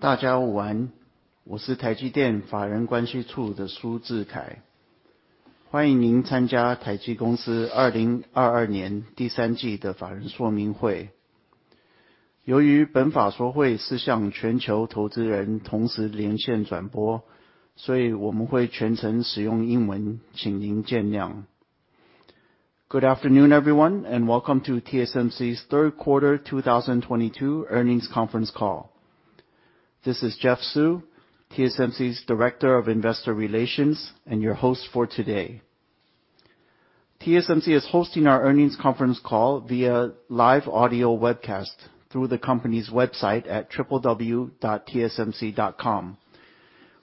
大家午安。我是台積電法人關係處的蘇智凱。歡迎您參加台積公司2022年第三季的法人說明會。由於本法說會是向全球投資人同時連線轉播，所以我們會全程使用英文，請您見諒。Good afternoon, everyone, and welcome to TSMC's third quarter 2022 earnings conference call. This is Jeff Su, TSMC's Director of Investor Relations and your host for today. TSMC is hosting our earnings conference call via live audio webcast through the company's website at www.tsmc.com.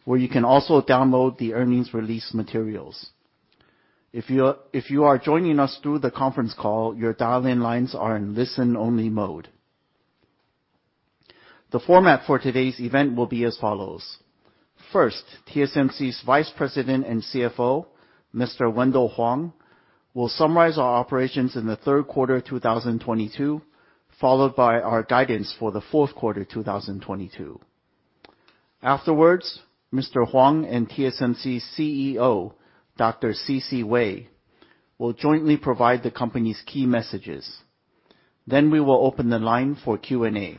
Where you can also download the earnings release materials. If you are joining us through the conference call, your dial-in lines are in listen-only mode. The format for today's event will be as follows. First, TSMC's Vice President and CFO, Mr. Wendell Huang will summarize our operations in the third quarter 2022, followed by our guidance for the fourth quarter 2022. Afterwards, Mr. Huang and TSMC CEO Dr. C.C. Wei will jointly provide the company's key messages. Then we will open the line for Q&A.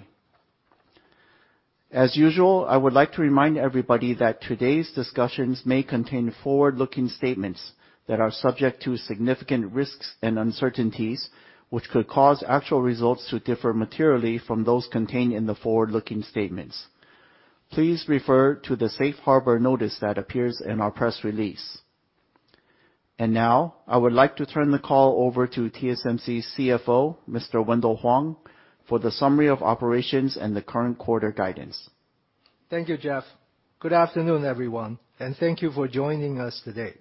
As usual, I would like to remind everybody that today's discussions may contain forward-looking statements that are subject to significant risks and uncertainties, which could cause actual results to differ materially from those contained in the forward-looking statements. Please refer to the Safe Harbor notice that appears in our press release. Now I would like to turn the call over to TSMC CFO Mr. Wendell Huang for the summary of operations and the current quarter guidance. Thank you, Jeff. Good afternoon, everyone, and thank you for joining us today.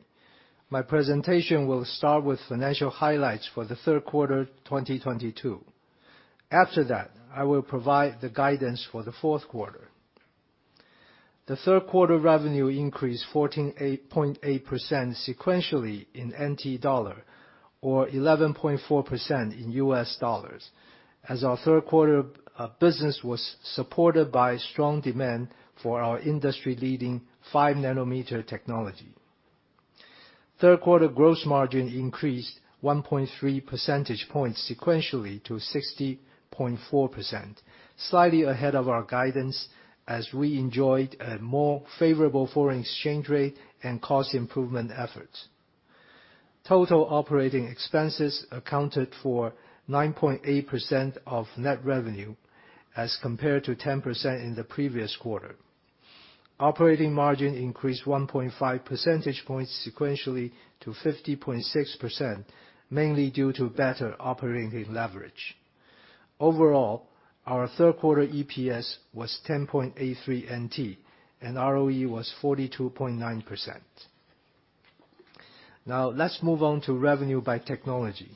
My presentation will start with financial highlights for the third quarter 2022. After that, I will provide the guidance for the fourth quarter. The third quarter revenue increased 14.8% sequentially in NT dollar, or 11.4% in U.S. dollars, as our third quarter business was supported by strong demand for our industry-leading 5 nm technology. Third quarter gross margin increased 1.3 percentage points sequentially to 60.4%, slightly ahead of our guidance as we enjoyed a more favorable foreign exchange rate and cost improvement efforts. Total operating expenses accounted for 9.8% of net revenue as compared to 10% in the previous quarter. Operating margin increased 1.5 percentage points sequentially to 50.6%, mainly due to better operating leverage. Overall, our third quarter EPS was NT 10.83, and ROE was 42.9%. Now, let's move on to revenue by technology.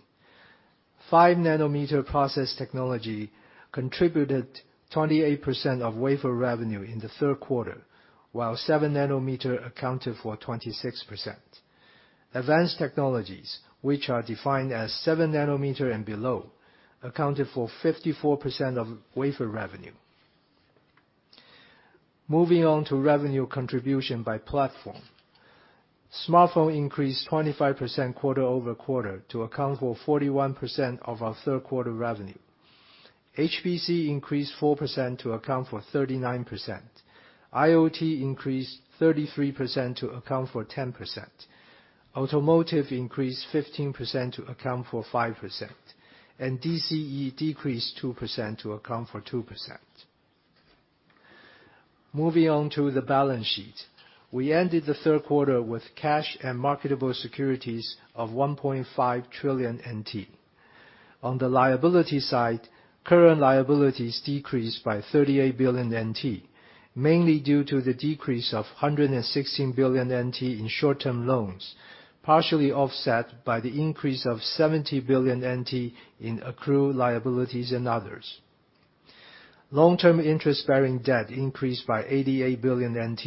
5 nm process technology contributed 28% of wafer revenue in the third quarter, while 7 nm accounted for 26%. Advanced technologies, which are defined as 7 nm and below, accounted for 54% of wafer revenue. Moving on to revenue contribution by platform. Smartphone increased 25% quarter-over-quarter to account for 41% of our third quarter revenue. HPC increased 4% to account for 39%. IoT increased 33% to account for 10%. Automotive increased 15% to account for 5%. DCE decreased 2% to account for 2%. Moving on to the balance sheet. We ended the third quarter with cash and marketable securities of NT 1.5 trillion. On the liability side, current liabilities decreased by NT 38 billion, mainly due to the decrease of NT 116 billion in short-term loans, partially offset by the increase of NT 70 billion in accrued liabilities and others. Long-term interest-bearing debt increased by NT 88 billion,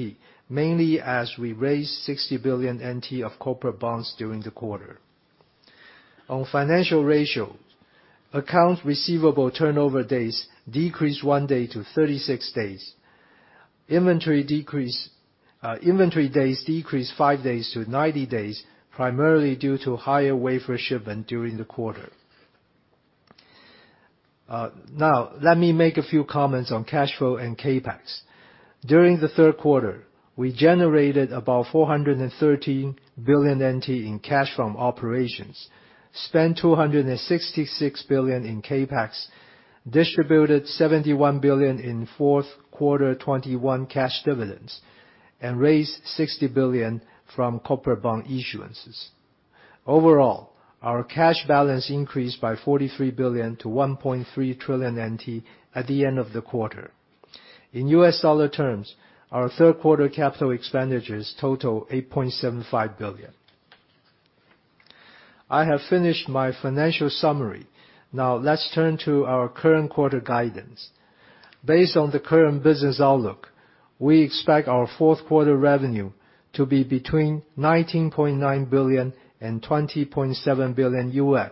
mainly as we raised NT 60 billion of corporate bonds during the quarter. On financial ratios, accounts receivable turnover days decreased 1 day to 36 days. Inventory days decreased 5 days to 90 days, primarily due to higher wafer shipment during the quarter. Now let me make a few comments on cash flow and CapEx. During the third quarter, we generated about NT 413 billion in cash from operations, spent NT 266 billion in CapEx, distributed NT 71 billion in fourth quarter 2021 cash dividends, and raised NT 60 billion from corporate bond issuances. Overall, our cash balance increased by NT 43 billion to NT 1.3 trillion at the end of the quarter. In U.S. dollar terms, our third quarter capital expenditures totaled $8.75 billion. I have finished my financial summary. Now let's turn to our current quarter guidance. Based on the current business outlook, we expect our fourth quarter revenue to be between $19.9 billion and $20.7 billion,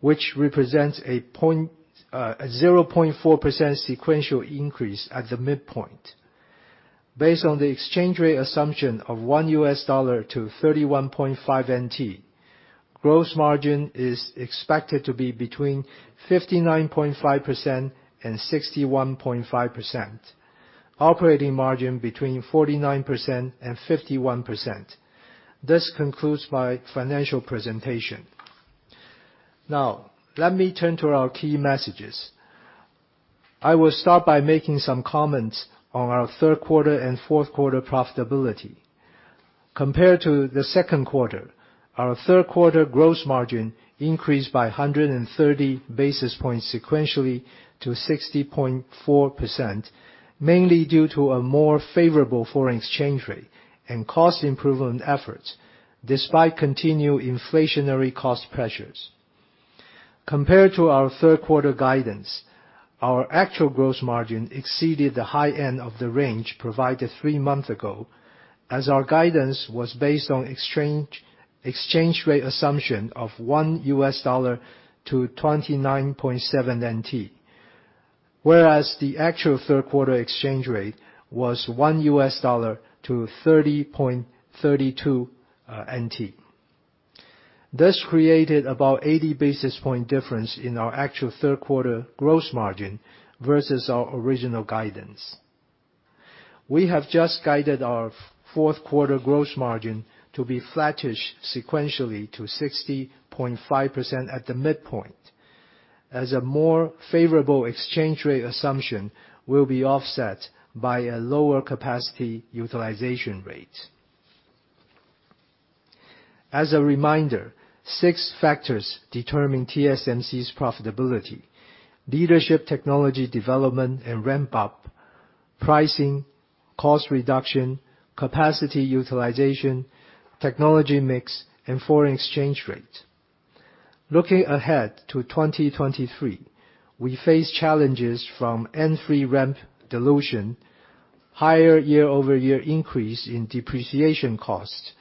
which represents a point. A 0.4% sequential increase at the midpoint. Based on the exchange rate assumption of $1 to NT 31.5, gross margin is expected to be between 59.5% and 61.5%. Operating margin between 49% and 51%. This concludes my financial presentation. Now, let me turn to our key messages. I will start by making some comments on our third quarter and fourth quarter profitability. Compared to the second quarter, our third quarter gross margin increased by 130 basis points sequentially to 60.4%, mainly due to a more favorable foreign exchange rate and cost improvement efforts despite continued inflationary cost pressures. Compared to our third quarter guidance, our actual gross margin exceeded the high end of the range provided three months ago as our guidance was based on exchange rate assumption of $1 to NT 29.7. Whereas the actual third quarter exchange rate was $1 to NT 30.32. This created about 80 basis points difference in our actual third quarter gross margin versus our original guidance. We have just guided our fourth quarter gross margin to be flattish sequentially to 60.5% at the midpoint, as a more favorable exchange rate assumption will be offset by a lower capacity utilization rate. As a reminder, six factors determine TSMC's profitability, leadership, technology development, and ramp-up, pricing, cost reduction, capacity utilization, technology mix, and foreign exchange rate. Looking ahead to 2023, we face challenges from N3 ramp dilution, higher year-over-year increase in depreciation costs,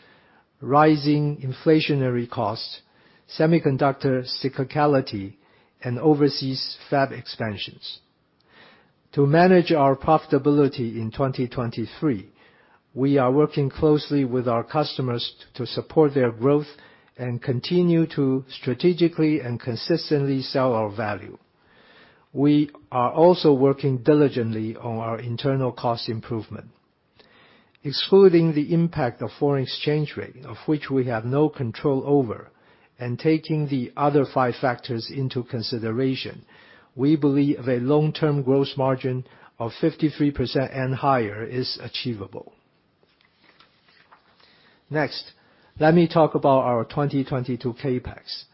rising inflationary costs, semiconductor cyclicality, and overseas fab expansions. To manage our profitability in 2023, we are working closely with our customers to support their growth and continue to strategically and consistently sell our value. We are also working diligently on our internal cost improvement. Excluding the impact of foreign exchange rate, of which we have no control over, and taking the other five factors into consideration, we believe a long-term gross margin of 53% and higher is achievable. Next, let me talk about our 2022 CapEx.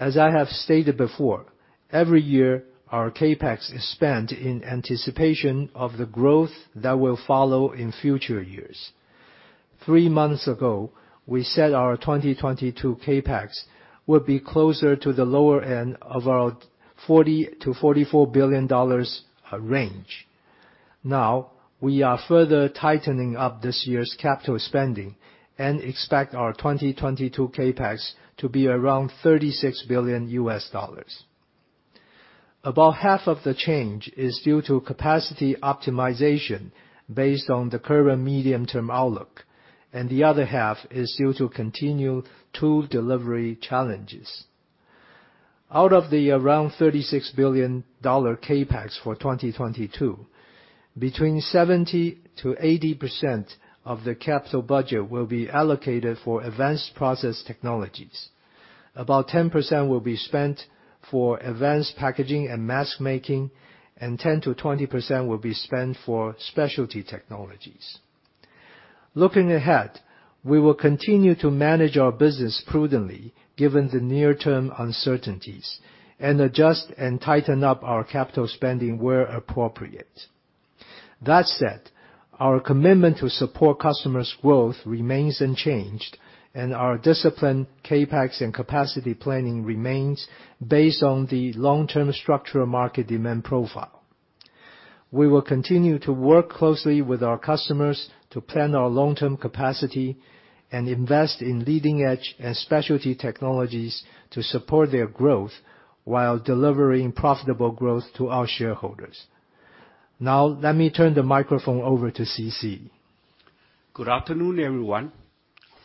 As I have stated before, every year, our CapEx is spent in anticipation of the growth that will follow in future years. Three months ago, we said our 2022 CapEx would be closer to the lower end of our $40 billion-$44 billion range. Now, we are further tightening up this year's capital spending and expect our 2022 CapEx to be around $36 billion. About half of the change is due to capacity optimization based on the current medium-term outlook, and the other half is due to continued tool delivery challenges. Out of the around $36 billion CapEx for 2022, between 70%-80% of the capital budget will be allocated for advanced process technologies. About 10% will be spent for advanced packaging and mask making, and 10%-20% will be spent for specialty technologies. Looking ahead, we will continue to manage our business prudently given the near-term uncertainties, and adjust and tighten up our capital spending where appropriate. That said, our commitment to support customers' growth remains unchanged, and our disciplined CapEx and capacity planning remains based on the long-term structural market demand profile. We will continue to work closely with our customers to plan our long-term capacity and invest in leading-edge and specialty technologies to support their growth while delivering profitable growth to our shareholders. Now, let me turn the microphone over to C.C. Good afternoon, everyone.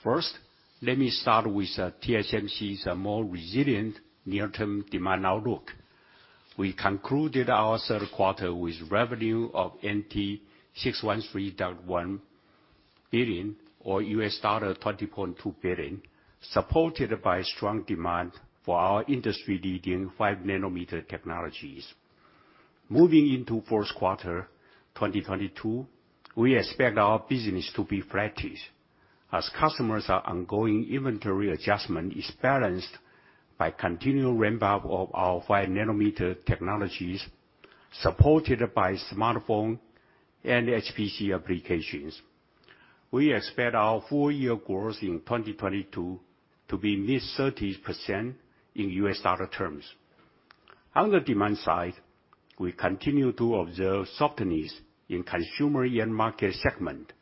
First, let me start with TSMC's more resilient near-term demand outlook. We concluded our third quarter with revenue of NT 613.1 billion, or $20.2 billion, supported by strong demand for our industry-leading 5 nm technologies. Moving into fourth quarter 2022, we expect our business to be flattish as customers' ongoing inventory adjustment is balanced by continued ramp-up of our 5nm technologies, supported by smartphone and HPC applications. We expect our full-year growth in 2022 to be mid-30% in U.S. dollar terms. On the demand side, we continue to observe softness in consumer end-market segment.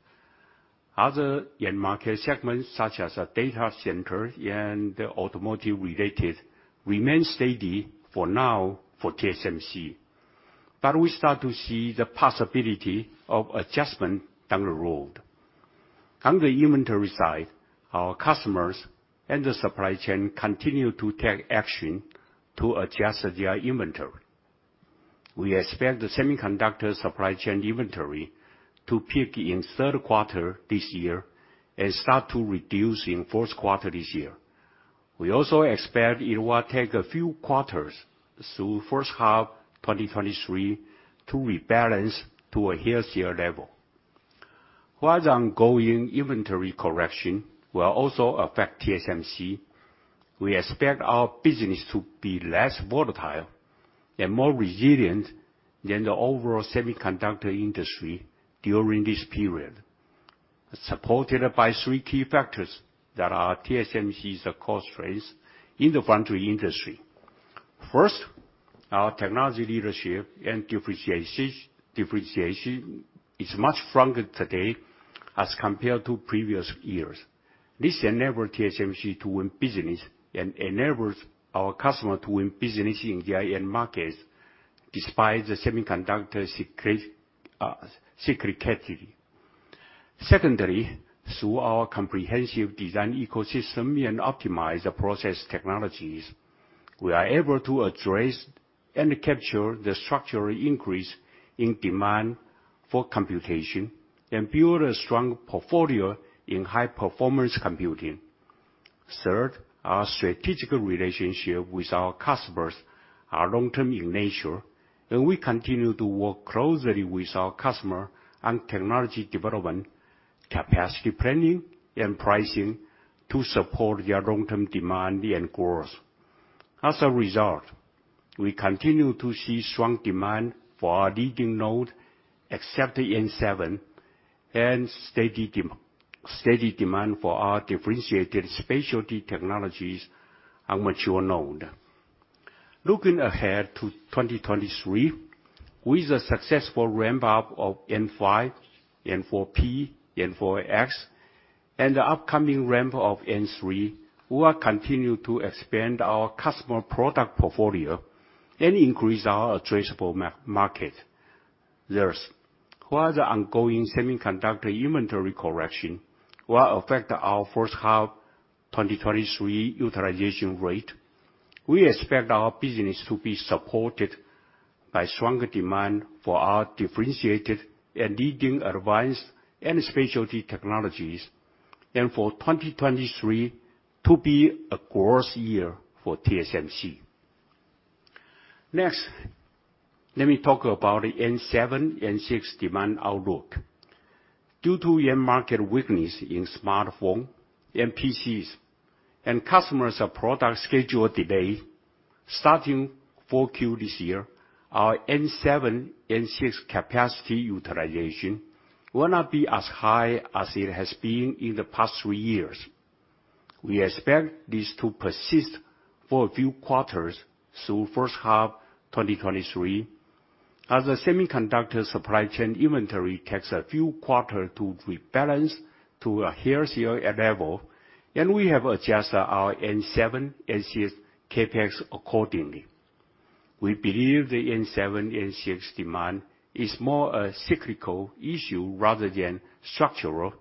Other end-market segments, such as data center and automotive-related, remain steady for now for TSMC. We start to see the possibility of adjustment down the road. On the inventory side, our customers and the supply chain continue to take action to adjust their inventory. We expect the semiconductor supply chain inventory to peak in third quarter this year and start to reduce in fourth quarter this year. We also expect it will take a few quarters through first half 2023 to rebalance to a healthier level. While the ongoing inventory correction will also affect TSMC, we expect our business to be less volatile and more resilient than the overall semiconductor industry during this period, supported by three key factors that are TSMC's core strengths in the foundry industry. First, our technology leadership and differentiation is much stronger today as compared to previous years. This enable TSMC to win business and enables our customer to win business in the end markets despite the semiconductor cyclicality. Secondly, through our comprehensive design ecosystem and optimize the process technologies, we are able to address and capture the structural increase in demand for computation and build a strong portfolio in high performance computing. Third, our strategic relationship with our customers are long-term in nature, and we continue to work closely with our customer on technology development, capacity planning, and pricing to support their long-term demand and growth. As a result, we continue to see strong demand for our leading node, except N7 and steady demand for our differentiated specialty technologies and mature node. Looking ahead to 2023, with the successful ramp-up of N5, N4P, N4X, and the upcoming ramp of N3, we will continue to expand our customer product portfolio and increase our addressable market. Thus, while the ongoing semiconductor inventory correction will affect our first half 2023 utilization rate, we expect our business to be supported by stronger demand for our differentiated and leading advanced and specialty technologies, and for 2023 to be a growth year for TSMC. Next, let me talk about the N7, N6 demand outlook. Due to end market weakness in smartphones, PCs, and customer product schedule delays, starting 4Q this year, our N7, N6 capacity utilization will not be as high as it has been in the past three years. We expect this to persist for a few quarters through first half 2023 as the semiconductor supply chain inventory takes a few quarters to rebalance to a healthier level, and we have adjusted our N7, N6 CapEx accordingly. We believe the N7, N6 demand is more a cyclical issue rather than structural,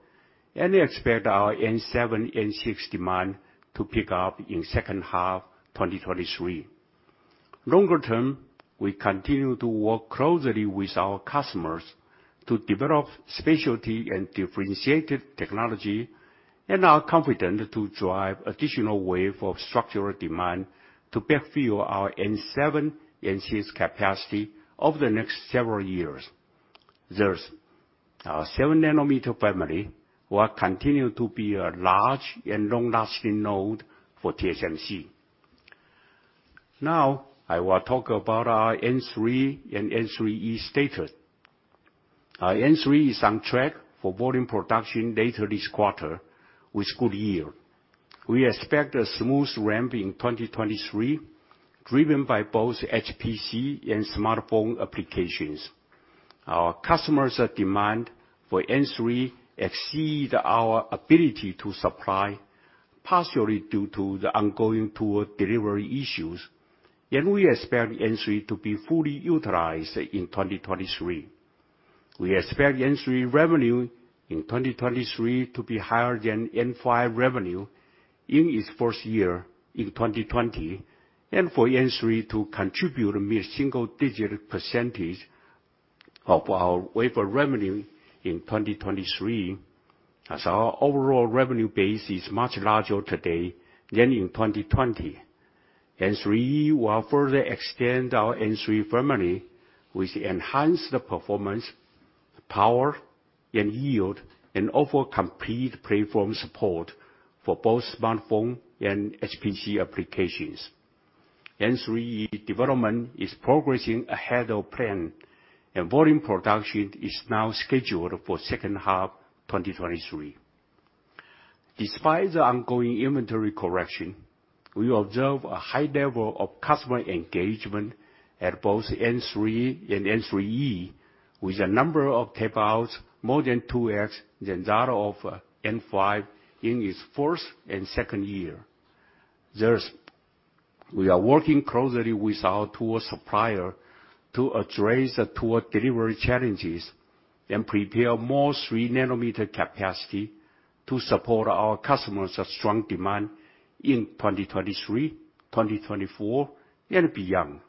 and expect our N7, N6 demand to pick up in second half 2023. Longer term, we continue to work closely with our customers to develop specialty and differentiated technology, and are confident to drive additional wave of structural demand to backfill our N7, N6 capacity over the next several years. Thus, our 7 nm family will continue to be a large and long-lasting node for TSMC. Now, I will talk about our N3 and N3E status. Our N3 is on track for volume production later this quarter with good yield. We expect a smooth ramp in 2023, driven by both HPC and smartphone applications. Our customers' demand for N3 exceeds our ability to supply, partially due to the ongoing tool delivery issues. We expect N3 to be fully utilized in 2023. We expect N3 revenue in 2023 to be higher than N5 revenue in its first year in 2020, and for N3 to contribute a mid-single-digit % of our wafer revenue in 2023, as our overall revenue base is much larger today than in 2020. N3E will further extend our N3 family with enhanced performance, power, and yield, and offer complete platform support for both smartphone and HPC applications. N3E development is progressing ahead of plan, and volume production is now scheduled for second half 2023. Despite the ongoing inventory correction, we observe a high level of customer engagement at both N3 and N3E, with a number of tape-outs more than 2x than that of N5 in its first and second year. Thus, we are working closely with our tool supplier to address the tool delivery challenges and prepare more 3 nm capacity to support our customers' strong demand in 2023, 2024, and beyond.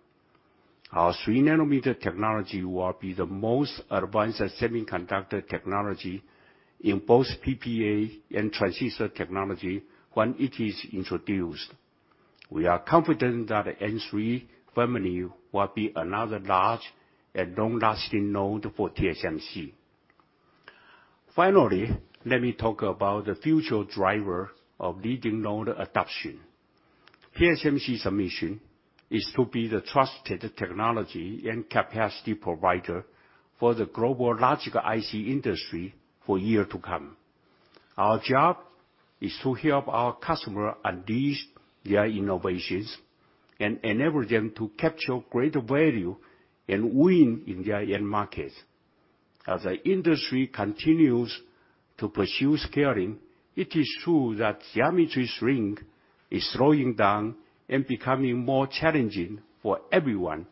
Our 3 nm technology will be the most advanced semiconductor technology in both PPA and transistor technology when it is introduced. We are confident that N3 family will be another large and long-lasting node for TSMC. Finally, let me talk about the future driver of leading node adoption. TSMC's mission is to be the trusted technology and capacity provider for the global logic IC industry for years to come. Our job is to help our customers unleash their innovations and enable them to capture greater value and win in their end markets. As the industry continues to pursue scaling, it is true that geometry shrink is slowing down and becoming more challenging for everyone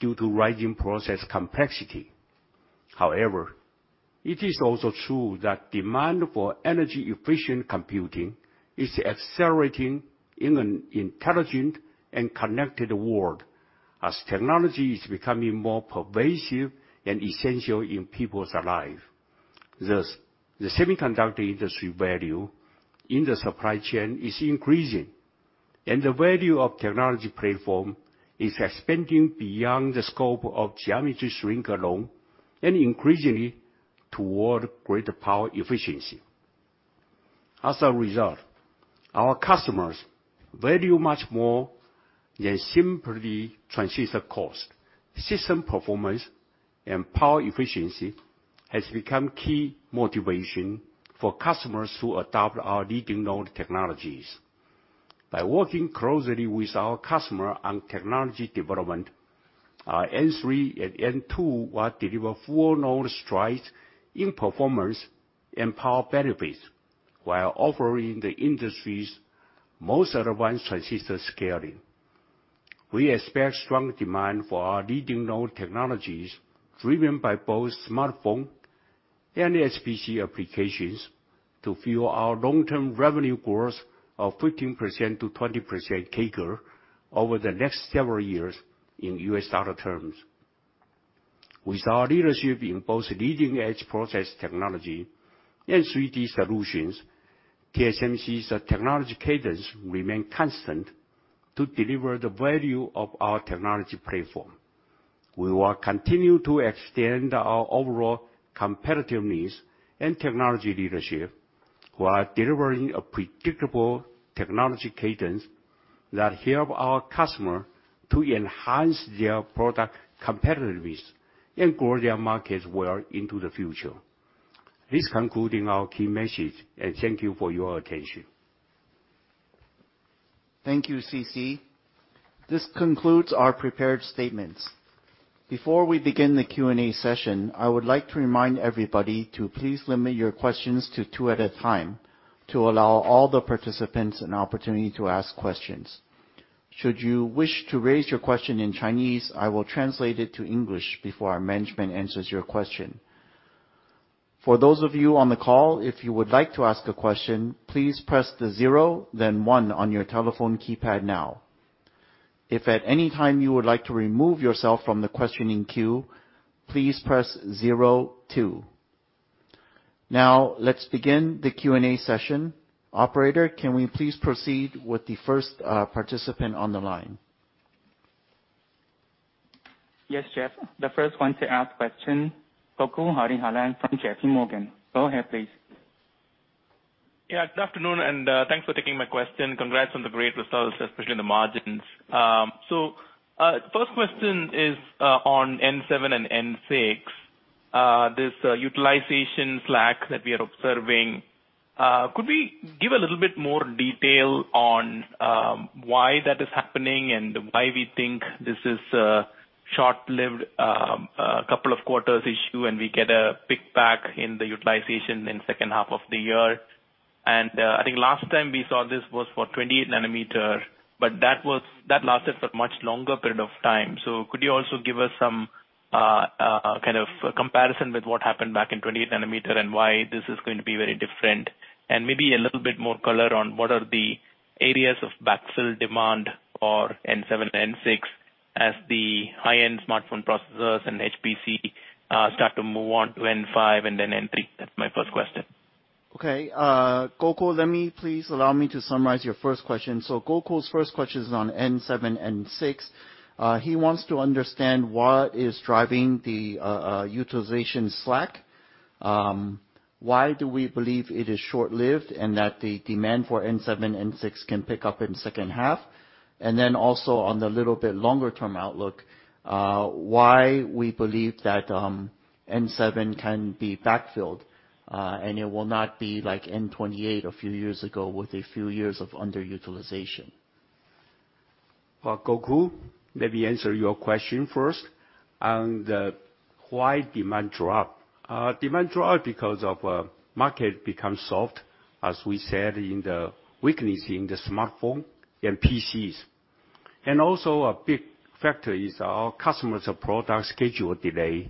due to rising process complexity. However, it is also true that demand for energy-efficient computing is accelerating in an intelligent and connected world as technology is becoming more pervasive and essential in people's life. Thus, the semiconductor industry value in the supply chain is increasing, and the value of technology platform is expanding beyond the scope of geometry shrink alone and increasingly toward greater power efficiency. As a result, our customers value much more than simply transistor cost. System performance and power efficiency has become key motivation for customers to adopt our leading node technologies. By working closely with our customer on technology development, our N3 and N2 will deliver full node strides in performance and power benefits while offering the industry's most advanced transistor scaling. We expect strong demand for our leading node technologies driven by both smartphone and HPC applications to fuel our long-term revenue growth of 15%-20% CAGR over the next several years in U.S. dollar terms. With our leadership in both leading-edge process technology and 3D solutions, TSMC's technology cadence remains constant to deliver the value of our technology platform. We will continue to extend our overall competitiveness and technology leadership while delivering a predictable technology cadence that helps our customers to enhance their product competitiveness and grow their markets well into the future. This concludes our key message, and thank you for your attention. Thank you, C.C. This concludes our prepared statements. Before we begin the Q&A session, I would like to remind everybody to please limit your questions to two at a time to allow all the participants an opportunity to ask questions. Should you wish to raise your question in Chinese, I will translate it to English before our management answers your question. For those of you on the call, if you would like to ask a question, please press the zero then one on your telephone keypad now. If at any time you would like to remove yourself from the questioning queue, please press zero two. Now let's begin the Q&A session. Operator, can we please proceed with the first participant on the line? Yes, Jeff. The first one to ask question, Gokul Hariharan from JPMorgan. Go ahead, please. Yeah, good afternoon, and thanks for taking my question. Congrats on the great results, especially in the margins. First question is on N7 and N6, this utilization slack that we are observing. Could we give a little bit more detail on why that is happening and why we think this is a short-lived couple of quarters issue, and we get a big pickup in the utilization in second half of the year? I think last time we saw this was for 20 nm, but that lasted for much longer period of time. Could you also give us some kind of comparison with what happened back in 20 nm and why this is going to be very different? Maybe a little bit more color on what are the areas of backfill demand for N7 and N6 as the high-end smartphone processors and HPC start to move on to N5 and then N3. That's my first question. Okay. Gokul, please allow me to summarize your first question. Gokul's first question is on N7, N6. He wants to understand what is driving the utilization slack, why we believe it is short-lived, and that the demand for N7, N6 can pick up in second half. Also on the little bit longer term outlook, why we believe that N7 can be backfilled, and it will not be like N28 a few years ago with a few years of underutilization. Well, Gokul, let me answer your question first on the why demand drop. Demand drop because of market become soft, as we said in the weakness in the smartphone and PCs. Also a big factor is our customers' product schedule delay.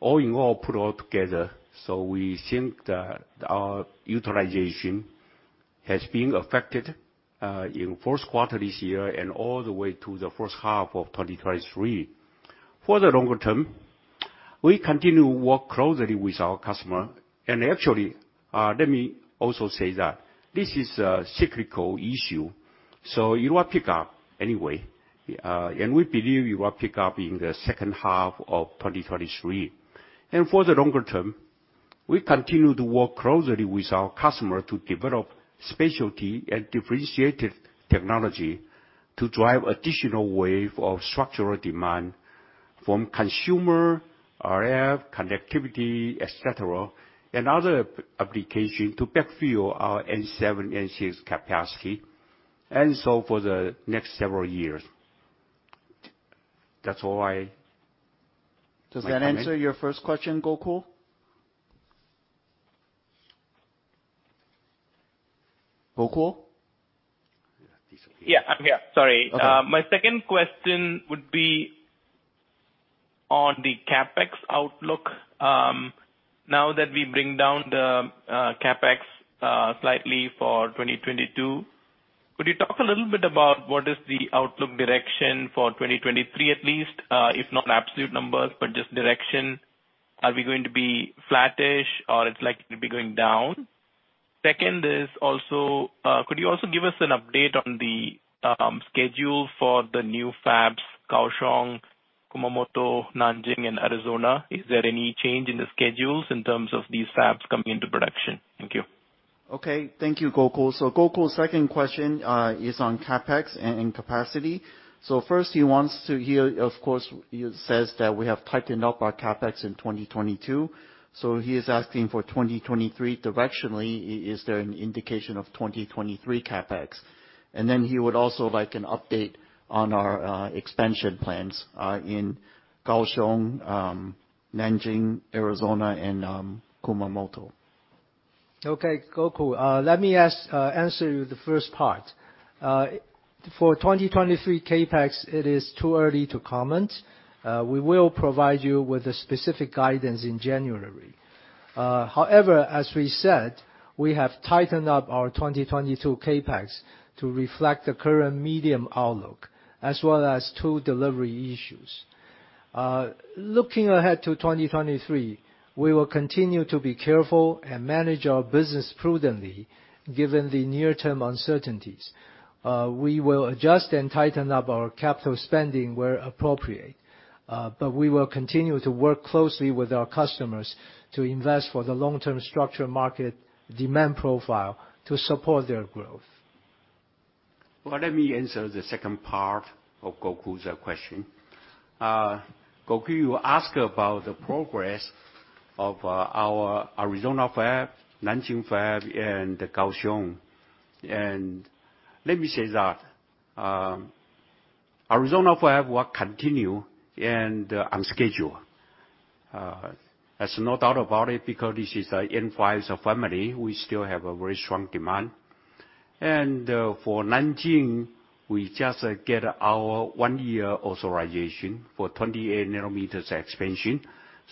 All in all, put all together, we think that our utilization has been affected in first quarter this year and all the way to the first half of 2023. For the longer term, we continue to work closely with our customer. Actually, let me also say that this is a cyclical issue, so it will pick up anyway. We believe it will pick up in the second half of 2023. For the longer term, we continue to work closely with our customer to develop specialty and differentiated technology to drive additional wave of structural demand from consumer, RF, connectivity, et cetera, and other application to backfill our N7, N6 capacity, and so for the next several years. That's all I Does that answer your first question, Gokul? Gokul? Yeah. I'm here. Sorry. Okay. My second question would be on the CapEx outlook. Now that we bring down the CapEx slightly for 2022, could you talk a little bit about what is the outlook direction for 2023 at least, if not absolute numbers, but just direction? Are we going to be flattish or it's likely to be going down? Second is also, could you also give us an update on the schedule for the new fabs, Kaohsiung, Kumamoto, Nanjing, and Arizona? Is there any change in the schedules in terms of these fabs coming into production? Thank you. Okay. Thank you, Gokul. Gokul's second question is on CapEx and capacity. First he wants to hear, of course, you said that we have tightened up our CapEx in 2022, so he is asking for 2023 directionally, is there an indication of 2023 CapEx? And then he would also like an update on our expansion plans in Kaohsiung, Nanjing, Arizona, and Kumamoto. Okay. Gokul, let me answer you the first part. For 2023 CapEx, it is too early to comment. We will provide you with a specific guidance in January. As we said, we have tightened up our 2022 CapEx to reflect the current macro outlook, as well as to delivery issues. Looking ahead to 2023, we will continue to be careful and manage our business prudently given the near term uncertainties. We will adjust and tighten up our capital spending where appropriate, but we will continue to work closely with our customers to invest for the long-term structural market demand profile to support their growth. Well, let me answer the second part of Gokul's question. Gokul, you ask about the progress of our Arizona fab, Nanjing fab, and Kaohsiung. Let me say that Arizona fab will continue and on schedule. There's no doubt about it because this is an N5 family. We still have a very strong demand. For Nanjing, we just get our one-year authorization for 28 nm expansion,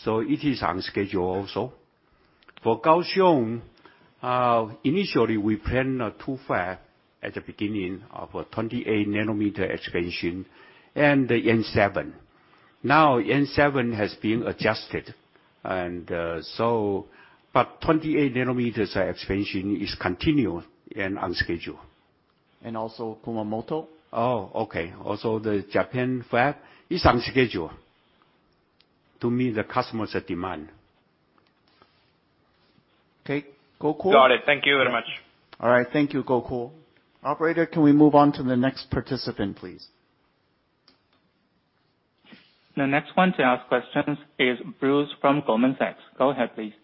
so it is on schedule also. For Kaohsiung, initially we planned two fabs at the beginning of a 28 nm expansion and the N7. Now, N7 has been adjusted and 28 nm expansion is continued and on schedule. Also Kumamoto? Oh, okay. Also, the Japan fab is on schedule. To meet the customers' demand. Okay. Gokul? Got it. Thank you very much. All right. Thank you, Gokul. Operator, can we move on to the next participant, please? The next one to ask questions is Bruce from Goldman Sachs. Go ahead, please.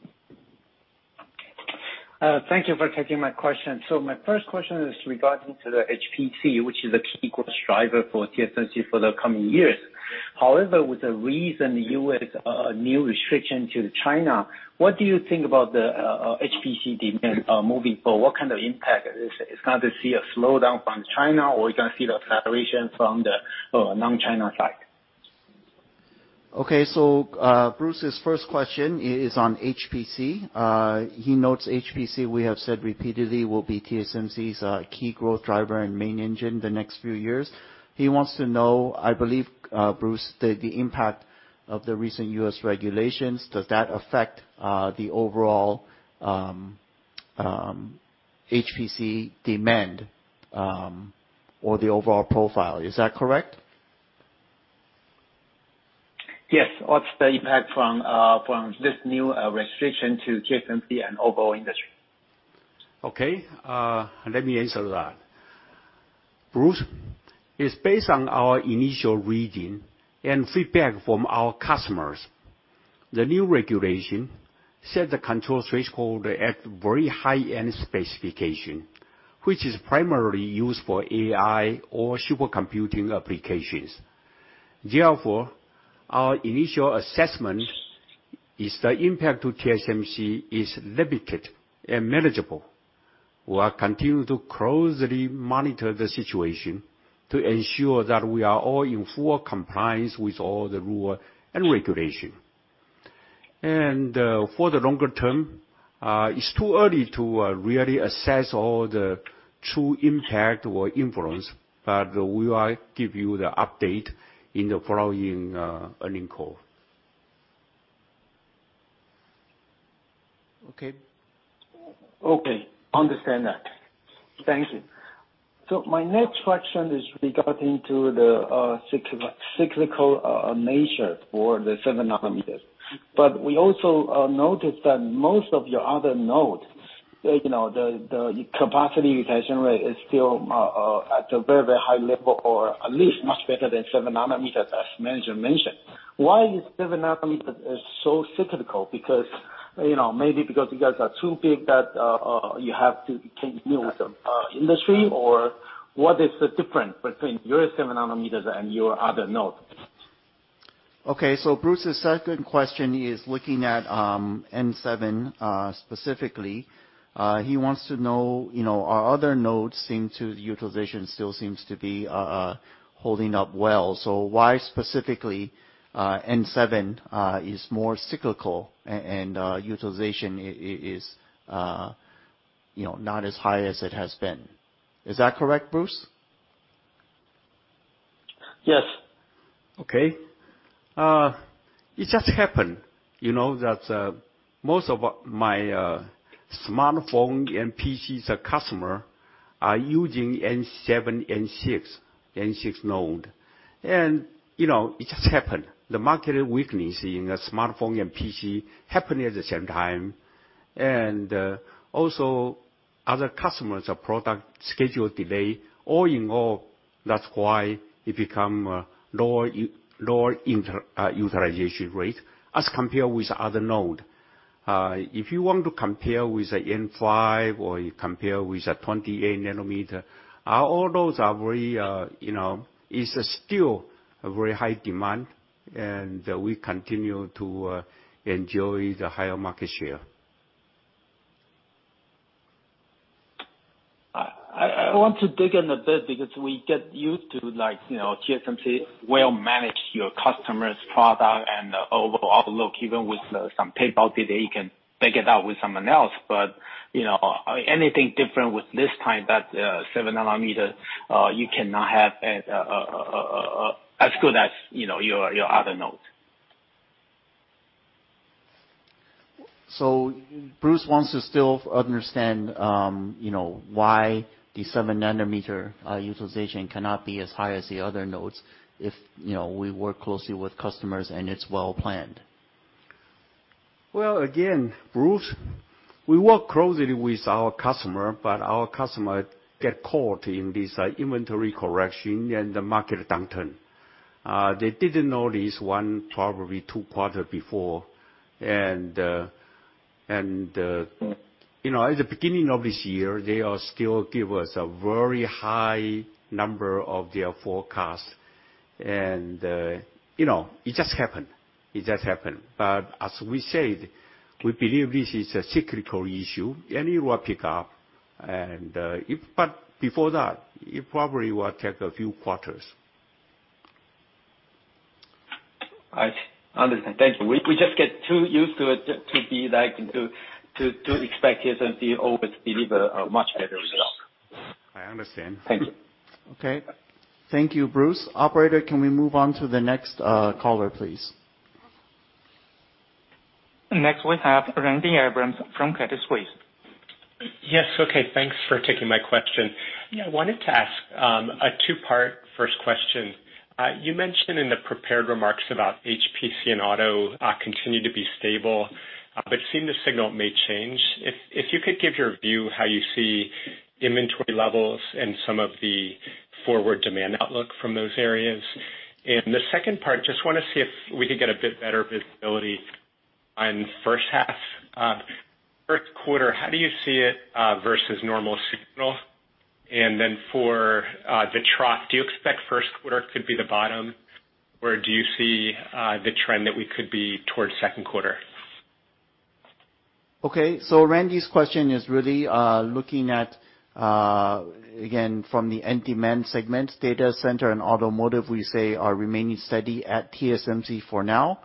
Thank you for taking my question. My first question is regarding to the HPC, which is a key growth driver for TSMC for the coming years. However, with the recent U.S. new restriction to China, what do you think about the HPC demand moving forward? What kind of impact? Is going to see a slowdown from China, or we're gonna see the acceleration from the non-China side? Okay. Bruce's first question is on HPC. He notes HPC, we have said repeatedly, will be TSMC's key growth driver and main engine the next few years. He wants to know, I believe, Bruce, the impact of the recent U.S. regulations, does that affect the overall. HPC demand, or the overall profile. Is that correct? Yes. What's the impact from this new restriction to TSMC and overall industry? Okay. Let me answer that. Bruce, it's based on our initial reading and feedback from our customers. The new regulation set the control threshold at very high-end specification, which is primarily used for AI or supercomputing applications. Therefore, our initial assessment is the impact to TSMC is limited and manageable. We are continuing to closely monitor the situation to ensure that we are all in full compliance with all the rules and regulations. For the longer term, it's too early to really assess all the true impact or influence, but we will give you the update in the following earnings call. Okay. Okay, understand that. Thank you. My next question is regarding to the cyclical nature for the 7 nm. We also noticed that most of your other nodes, you know, the capacity utilization rate is still at a very high level or at least much better than 7 nm as management mentioned. Why is 7 nm so cyclical? Because, you know, maybe because you guys are too big that you have to keep up with the industry or what is the difference between your 7 nm and your other node? Okay, Bruce's second question is looking at N7 specifically. He wants to know, you know, utilization still seems to be holding up well. Why specifically N7 is more cyclical and utilization is, you know, not as high as it has been. Is that correct, Bruce? Yes. It just happened, you know, that most of my smartphone and PCs customer are using N7, N6 node. You know, it just happened. The market weakness in the smartphone and PC happened at the same time. Also other customers or product schedule delay. All in all, that's why it become lower utilization rate as compared with other node. If you want to compare with the N5 or you compare with the 28 nm, all those are very, you know, is still a very high demand, and we continue to enjoy the higher market share. I want to dig in a bit because we get used to like, you know, TSMC will manage your customers' product and overall outlook, even with some paperwork delay, you can take it up with someone else. You know, anything different with this time that 7 nm you cannot have as good as, you know, your other node. Bruce wants to still understand, you know, why the 7 nm utilization cannot be as high as the other nodes if, you know, we work closely with customers and it's well planned. Well, again, Bruce, we work closely with our customers, but our customers got caught in this inventory correction and the market downturn. They didn't know this one probably two quarters before. You know, at the beginning of this year, they all still give us a very high number of their forecast. You know, it just happened. As we said, we believe this is a cyclical issue, and it will pick up. Before that, it probably will take a few quarters. I understand. Thank you. We just get too used to it to be like, to expect TSMC always deliver a much better result. I understand. Thank you. Okay. Thank you, Bruce. Operator, can we move on to the next caller, please? Next we have Randy Abrams from Credit Suisse. Yes. Okay, thanks for taking my question. Yeah, I wanted to ask a two-part first question. You mentioned in the prepared remarks about HPC and auto continue to be stable, but it seemed the signal may change. If you could give your view how you see inventory levels and some of the forward demand outlook from those areas. The second part, just wanna see if we could get a bit better visibility on first half. First quarter, how do you see it versus normal seasonal? For the trough, do you expect first quarter could be the bottom, or do you see the trend that we could be towards second quarter? Okay. Randy's question is really looking at again from the end demand segment, data center and automotive, we say are remaining steady at TSMC for now.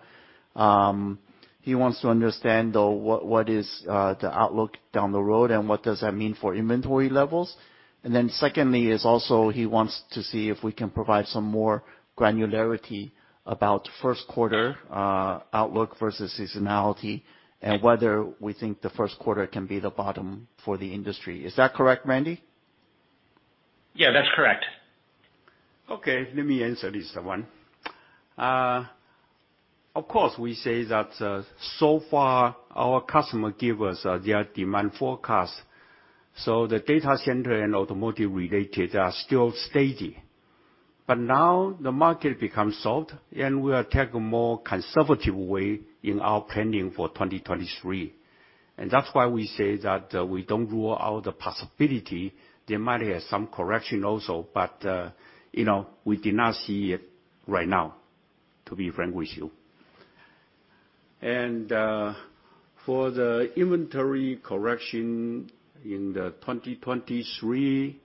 He wants to understand, though, what is the outlook down the road and what does that mean for inventory levels. Then secondly is also he wants to see if we can provide some more granularity about first quarter outlook versus seasonality, and whether we think the first quarter can be the bottom for the industry. Is that correct, Randy? Yeah, that's correct. Okay. Let me answer this one. Of course, we say that, so far our customer give us their demand forecast, so the data center and automotive related are still steady. Now the market becomes soft, and we are taking more conservative way in our planning for 2023. That's why we say that, we don't rule out the possibility there might have some correction also, but, you know, we did not see it right now, to be frank with you. For the inventory correction in the 2023,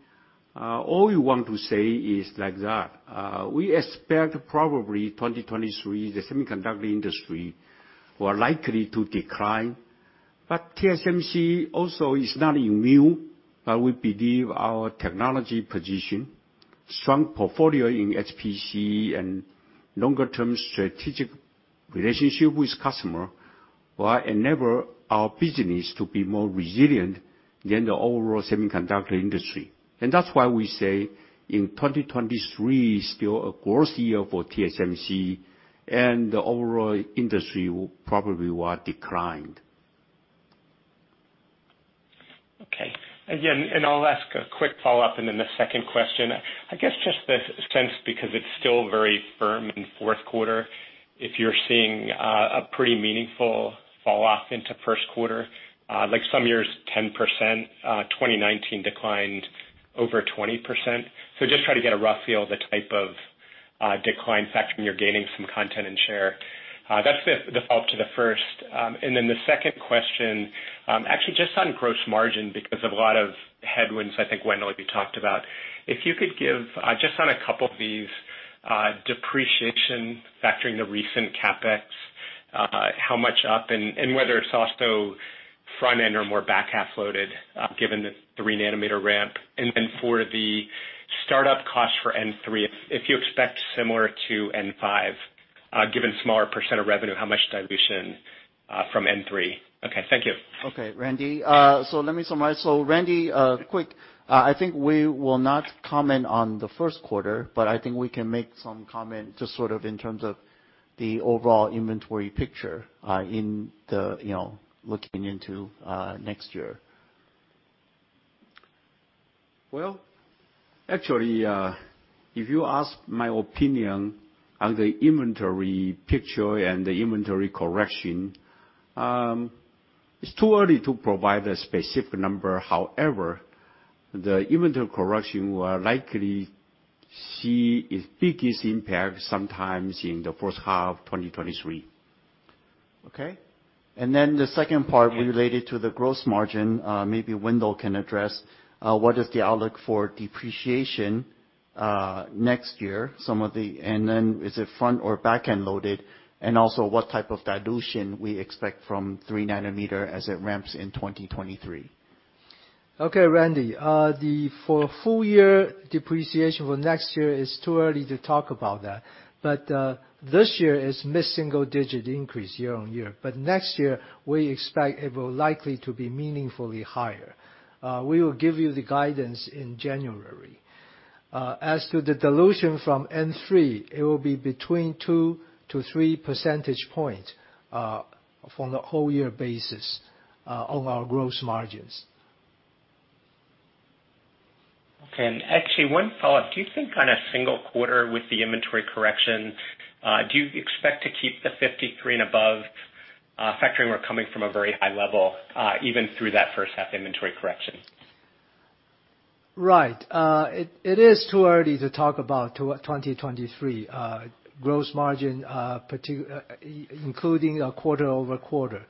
all we want to say is like that, we expect probably 2023, the semiconductor industry were likely to decline. TSMC also is not immune, but we believe our technology position, strong portfolio in HPC and longer term strategic relationship with customer will enable our business to be more resilient than the overall semiconductor industry. That's why we say 2023 is still a growth year for TSMC, and the overall industry will probably decline. Okay. I'll ask a quick follow-up and then the second question. I guess just the sense because it's still very firm in fourth quarter, if you're seeing a pretty meaningful fall off into first quarter, like some years 10%, 2019 declined over 20%. Just try to get a rough feel the type of decline factor when you're gaining some content and share. That's the follow-up to the first. Then the second question, actually just on gross margin because of a lot of headwinds I think Wendell will be talked about. If you could give just on a couple of these, depreciation factoring the recent CapEx, how much up and whether it's also front end or more back half loaded, given the 3 nm ramp. For the startup cost for N3, if you expect similar to N5, given smaller percent of revenue, how much dilution from N3? Okay. Thank you. Okay. Randy. Let me summarize. Randy, quick, I think we will not comment on the first quarter, but I think we can make some comment just sort of in terms of the overall inventory picture, in the, you know, looking into next year. Well, actually, if you ask my opinion on the inventory picture and the inventory correction, it's too early to provide a specific number. However, the inventory correction will likely see its biggest impact sometime in the first half 2023. The second part related to the gross margin, maybe Wendell can address what is the outlook for depreciation next year. Is it front or back-end loaded? What type of dilution we expect from 3 nm as it ramps in 2023. Okay, Randy Abrams. The full year depreciation for next year is too early to talk about that. This year is mid-single-digit increase year-on-year. Next year, we expect it will likely to be meaningfully higher. We will give you the guidance in January. As to the dilution from N3, it will be between two-three percentage points from the whole year basis of our gross margins. Okay. Actually one follow-up. Do you think on a single quarter with the inventory correction, do you expect to keep the 53% and above, factoring we're coming from a very high level, even through that first half inventory correction? Right. It is too early to talk about 2023 gross margin, including a quarter over quarter.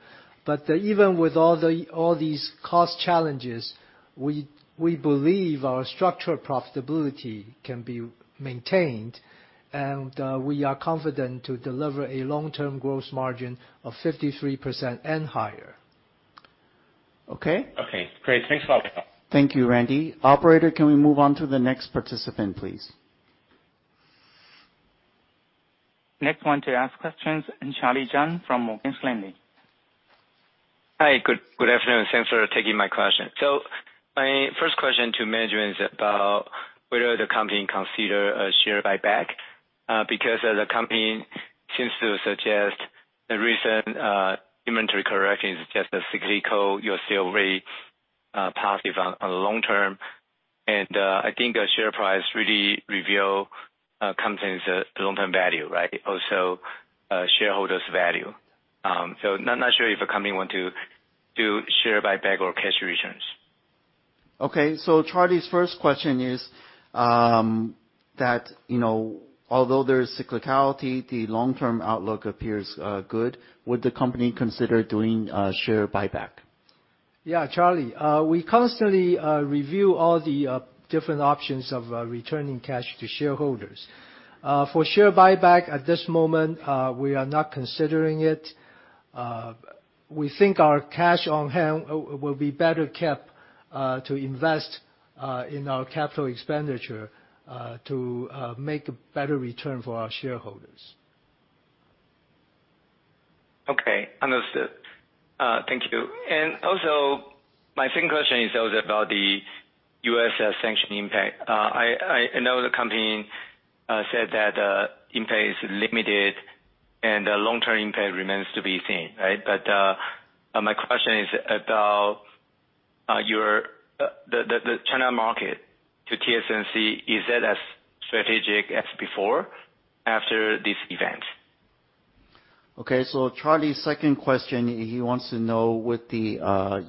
Even with all these cost challenges, we believe our structural profitability can be maintained, and we are confident to deliver a long-term gross margin of 53% and higher. Okay? Okay. Great. Thanks for all the help. Thank you, Randy. Operator, can we move on to the next participant, please? Next one to ask questions, Charlie Chan from Morgan Stanley. Hi. Good afternoon. Thanks for taking my question. My first question to management is about whether the company consider a share buyback, because the company seems to suggest the recent inventory correction is just a cyclical. You're still very positive on long term. I think our share price really reveal company's long-term value, right? Also, shareholders value. I'm not sure if a company want to do share buyback or cash returns. Okay. Charlie's first question is, that, you know, although there is cyclicality, the long-term outlook appears good. Would the company consider doing a share buyback? Yeah, Charlie, we constantly review all the different options of returning cash to shareholders. For share buyback at this moment, we are not considering it. We think our cash on hand will be better kept to invest in our capital expenditure to make a better return for our shareholders. Okay. Understood. Thank you. Also, my second question is also about the U.S. sanctions impact. I know the company said that impact is limited and the long-term impact remains to be seen, right? My question is about the China market to TSMC. Is it as strategic as before after this event? Okay. Charlie, second question, he wants to know with the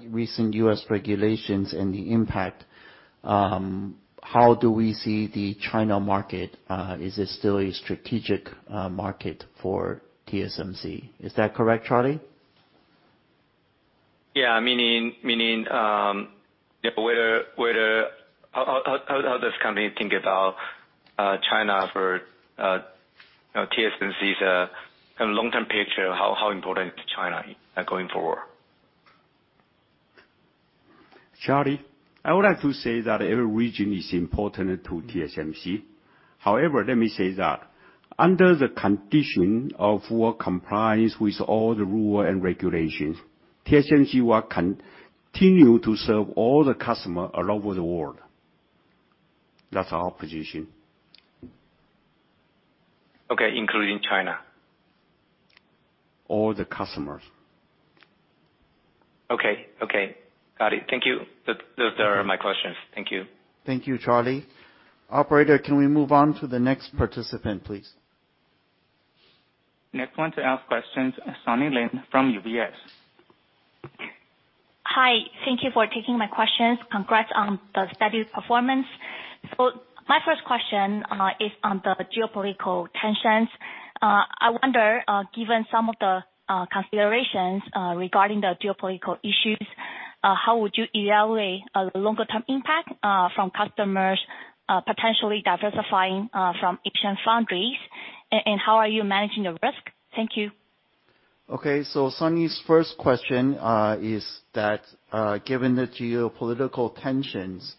recent U.S. regulations and the impact, how do we see the China market? Is it still a strategic market for TSMC? Is that correct, Charlie? Yeah. How does company think about China for TSMC's kind of long-term picture? How important is China going forward? Charlie, I would like to say that every region is important to TSMC. However, let me say that under the condition of work compliance with all the rules and regulations, TSMC will continue to serve all the customers all over the world. That's our position. Okay. Including China. All the customers. Okay. Got it. Thank you. Those are my questions. Thank you. Thank you, Charlie. Operator, can we move on to the next participant, please? Next one to ask questions, Sunny Lin from UBS. Hi. Thank you for taking my questions. Congrats on the steady performance. My first question is on the geopolitical tensions. I wonder, given some of the considerations regarding the geopolitical issues, how would you evaluate the longer term impact from customers potentially diversifying from TSMC foundries? And how are you managing the risk? Thank you. Okay. Sunny's first question is that, given the geopolitical tensions,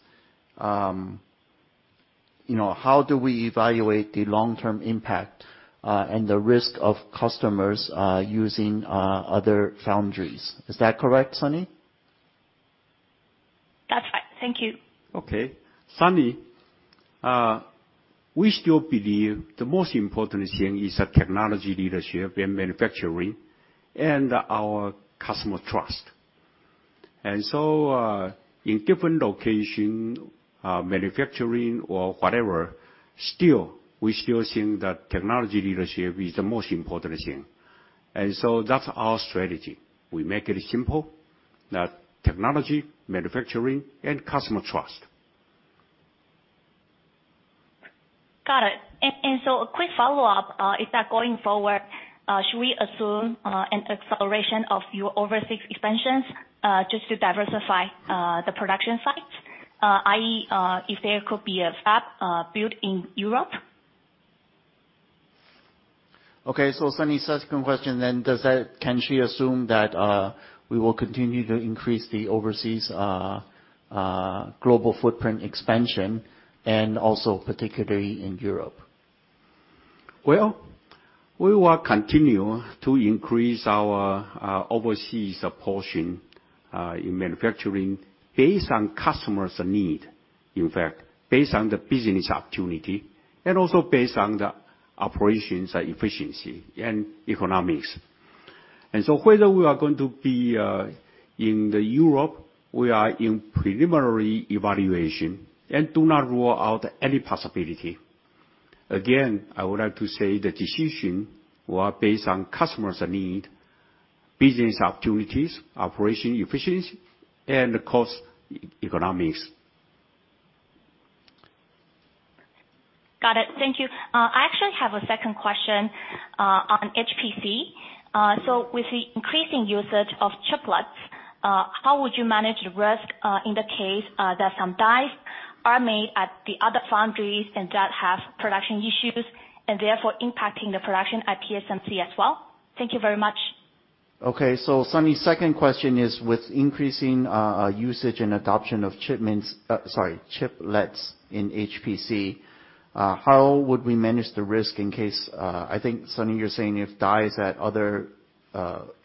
you know, how do we evaluate the long-term impact, and the risk of customers using other foundries? Is that correct, Sunny? That's right. Thank you. Okay. Sunny, we still believe the most important thing is the technology leadership in manufacturing and our customer trust. In different location, manufacturing or whatever, still, we still think that technology leadership is the most important thing. That's our strategy. We make it simple, that technology, manufacturing and customer trust. Got it. A quick follow-up, is that going forward, should we assume an acceleration of your overseas expansions, just to diversify the production sites? i.e., if there could be a fab built in Europe? Okay. Sunny's second question, can she assume that we will continue to increase the overseas global footprint expansion and also particularly in Europe? Well, we will continue to increase our overseas portion in manufacturing based on customers' need, in fact, based on the business opportunity and also based on the operations efficiency and economics. Whether we are going to be in Europe, we are in preliminary evaluation and do not rule out any possibility. Again, I would like to say the decision will based on customers' need, business opportunities, operation efficiency and cost economics. Got it. Thank you. I actually have a second question, on HPC. With the increasing usage of chiplets, how would you manage the risk, in the case, that some dies are made at the other foundries and that have production issues and therefore impacting the production at TSMC as well? Thank you very much. Okay. Sunny's second question is, with increasing usage and adoption of chiplets in HPC, how would we manage the risk in case, I think, Sunny, you're saying if dies at other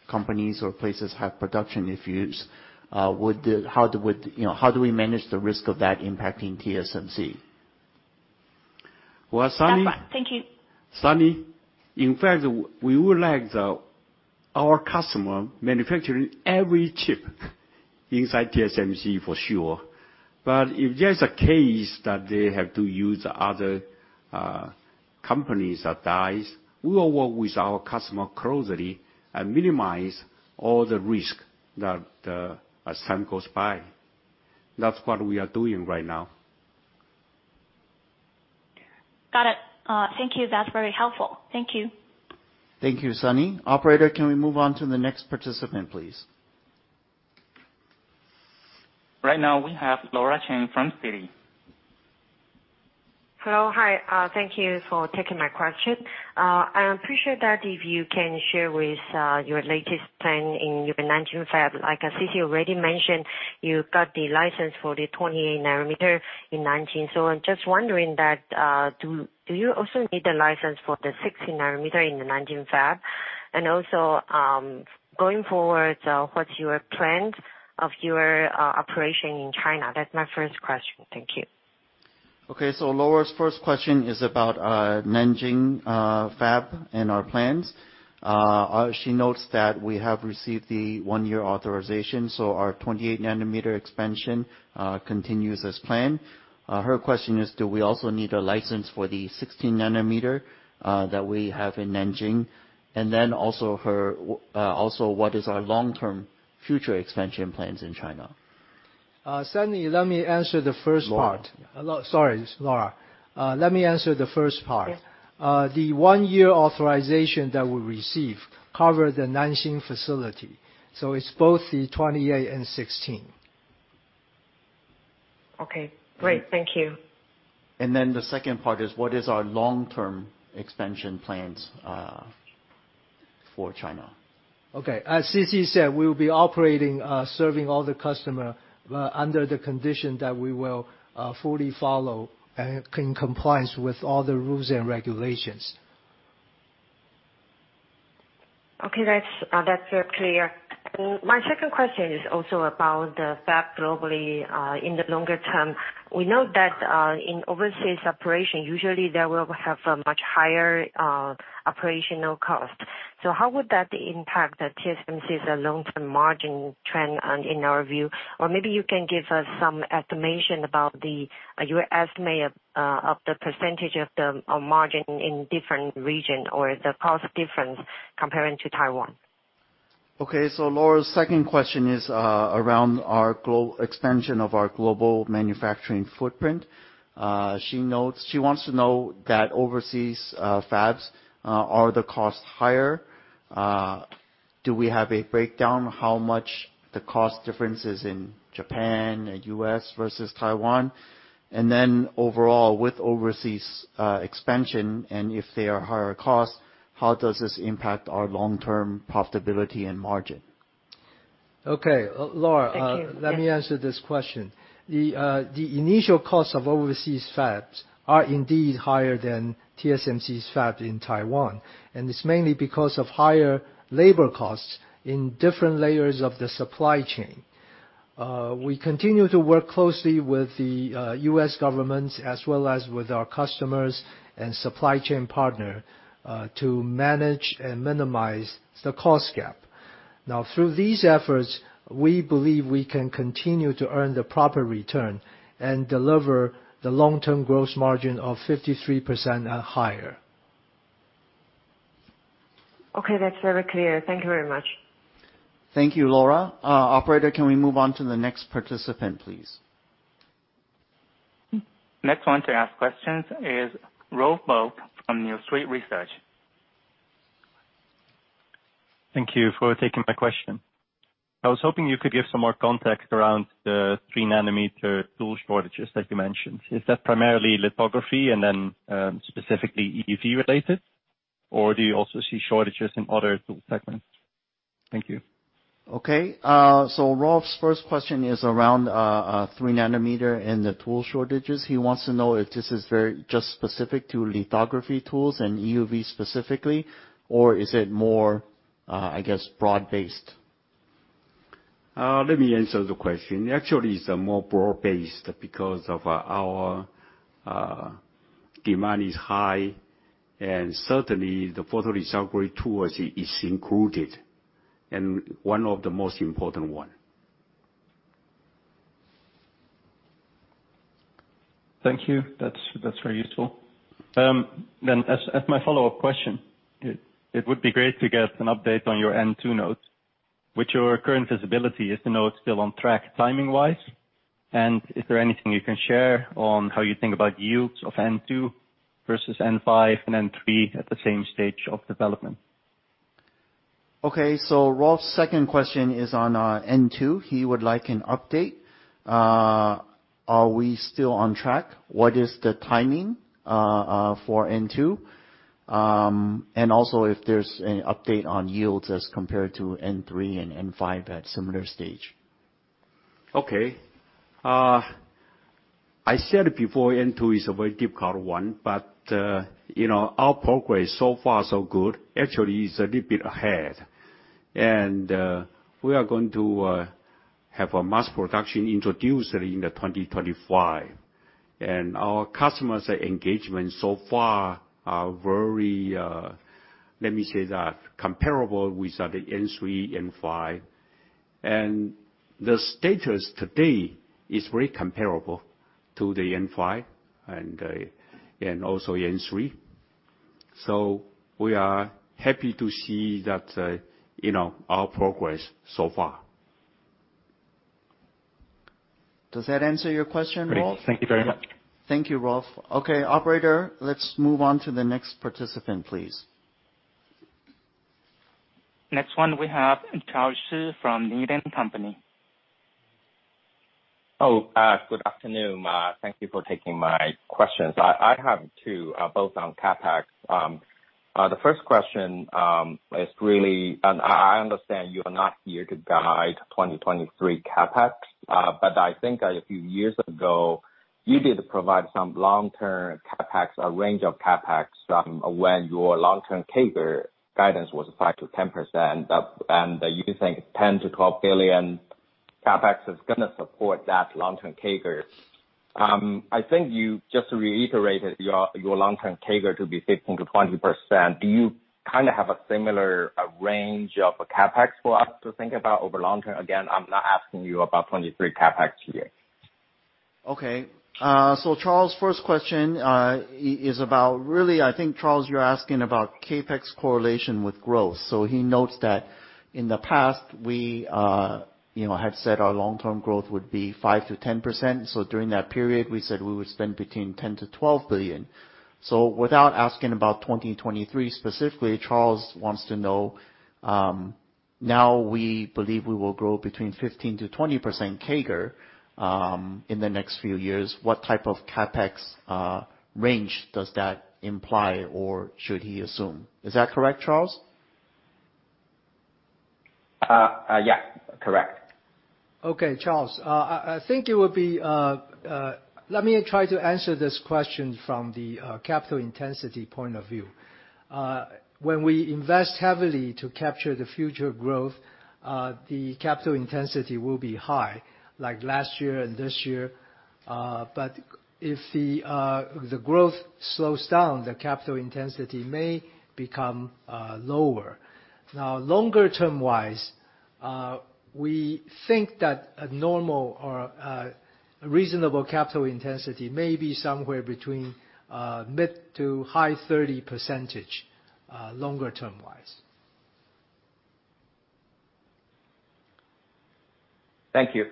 companies or places have production issues, how do we, you know, manage the risk of that impacting TSMC? Well, Sunny. That's right. Thank you. Sunny, in fact, we would like our customer manufacturing every chip inside TSMC for sure. If there's a case that they have to use other companies or dies, we will work with our customer closely and minimize all the risk that as time goes by. That's what we are doing right now. Got it. Thank you. That's very helpful. Thank you. Thank you, Sunny. Operator, can we move on to the next participant, please? Right now we have Laura Chen from Citigroup. Hello. Hi. Thank you for taking my question. I appreciate that if you can share with your latest plan in your Nanjing fab. Like C.C. Wei already mentioned, you got the license for the 20 nm in Nanjing. I'm just wondering, do you also need the license for the 60 nm in the Nanjing fab? Also, going forward, what's your plan of your operation in China? That's my first question. Thank you. Okay. Laura Chen's first question is about Nanjing fab and our plans. She notes that we have received the one-year authorization, so our 28 nm expansion continues as planned. Her question is, do we also need a license for the 16 nm that we have in Nanjing? And then also her also what is our long-term future expansion plans in China? Sunny, let me answer the first part. Laura. Sorry, it's Laura. Let me answer the first part. Yes. The one-year authorization that we received cover the Nanjing facility, so it's both the 28 and 16. Okay, great. Thank you. The second part is, what is our long-term expansion plans for China? Okay. As C.C. said, we will be operating, serving all the customer under the condition that we will, fully follow and in compliance with all the rules and regulations. Okay. That's clear. My second question is also about the fab globally in the longer term. We know that in overseas operation, usually they will have a much higher operational cost. How would that impact TSMC's long-term margin trend in our view? Maybe you can give us some estimation about your estimate of the percentage of margin in different region or the cost difference comparing to Taiwan. Okay. Laura's second question is around our global expansion of our global manufacturing footprint. She notes she wants to know that overseas, fabs, are the costs higher? Do we have a breakdown how much the cost difference is in Japan and U.S. versus Taiwan? And then overall, with overseas expansion and if they are higher costs, how does this impact our long-term profitability and margin? Okay. Laura- Thank you. Yes. Let me answer this question. The initial costs of overseas fabs are indeed higher than TSMC's fab in Taiwan, and it's mainly because of higher labor costs in different layers of the supply chain. We continue to work closely with the U.S. government as well as with our customers and supply chain partner to manage and minimize the cost gap. Now, through these efforts, we believe we can continue to earn the proper return and deliver the long-term growth margin of 53% or higher. Okay, that's very clear. Thank you very much. Thank you, Laura. Operator, can we move on to the next participant, please? Next one to ask questions is Rolf Bulk from New Street Research. Thank you for taking my question. I was hoping you could give some more context around the 3 nm tool shortages that you mentioned. Is that primarily lithography and then, specifically EUV related? Or do you also see shortages in other tool segments? Thank you. Okay. Rolf's first question is around 3 nm and the tool shortages. He wants to know if this is very, just specific to lithography tools and EUV specifically, or is it more, I guess, broad-based. Let me answer the question. Actually, it's a more broad-based because of our demand is high and certainly the photolithography tool is included, and one of the most important one. Thank you. That's very useful. As my follow-up question, it would be great to get an update on your N2 nodes. With your current visibility, is the node still on track timing-wise? Is there anything you can share on how you think about yields of N2 versus N5 and N3 at the same stage of development? Okay. Rolf's second question is on N2. He would like an update. Are we still on track? What is the timing for N2? Also if there's any update on yields as compared to N3 and N5 at similar stage. Okay. I said it before, N2 is a very difficult one, but, you know, our progress so far so good. Actually it's a little bit ahead. We are going to have a mass production introduced in 2025. Our customers' engagement so far are very, let me say that comparable with the N3, N5. The status today is very comparable to the N5 and also N3. We are happy to see that, you know, our progress so far. Does that answer your question, Rolf? Great. Thank you very much. Thank you, Rolf. Okay, operator, let's move on to the next participant, please. Next one we have Charles Shi from Needham & Company. Good afternoon. Thank you for taking my questions. I have two, both on CapEx. The first question is, really, I understand you are not here to guide 2023 CapEx, but I think a few years ago, you did provide some long-term CapEx, a range of CapEx from when your long-term CAGR guidance was 5%-10%. You think $10-12 billion CapEx is gonna support that long-term CAGR. I think you just reiterated your long-term CAGR to be 15%-20%. Do you kinda have a similar range of CapEx for us to think about over long-term? Again, I'm not asking you about 2023 CapEx here. Okay. Charles' first question is about really I think, Charles, you're asking about CapEx correlation with growth. He notes that in the past, we, you know, had said our long-term growth would be 5%-10%. During that period, we said we would spend between $10 billion-$12 billion. Without asking about 2023 specifically, Charles wants to know, now we believe we will grow between 15%-20% CAGR in the next few years, what type of CapEx range does that imply or should he assume? Is that correct, Charles? Yeah. Correct. Okay, Charles. I think it would be. Let me try to answer this question from the capital intensity point of view. When we invest heavily to capture the future growth, the capital intensity will be high, like last year and this year. If the growth slows down, the capital intensity may become lower. Now, longer term-wise, we think that a normal or a reasonable capital intensity may be somewhere between mid- to high 30%, longer term-wise. Thank you.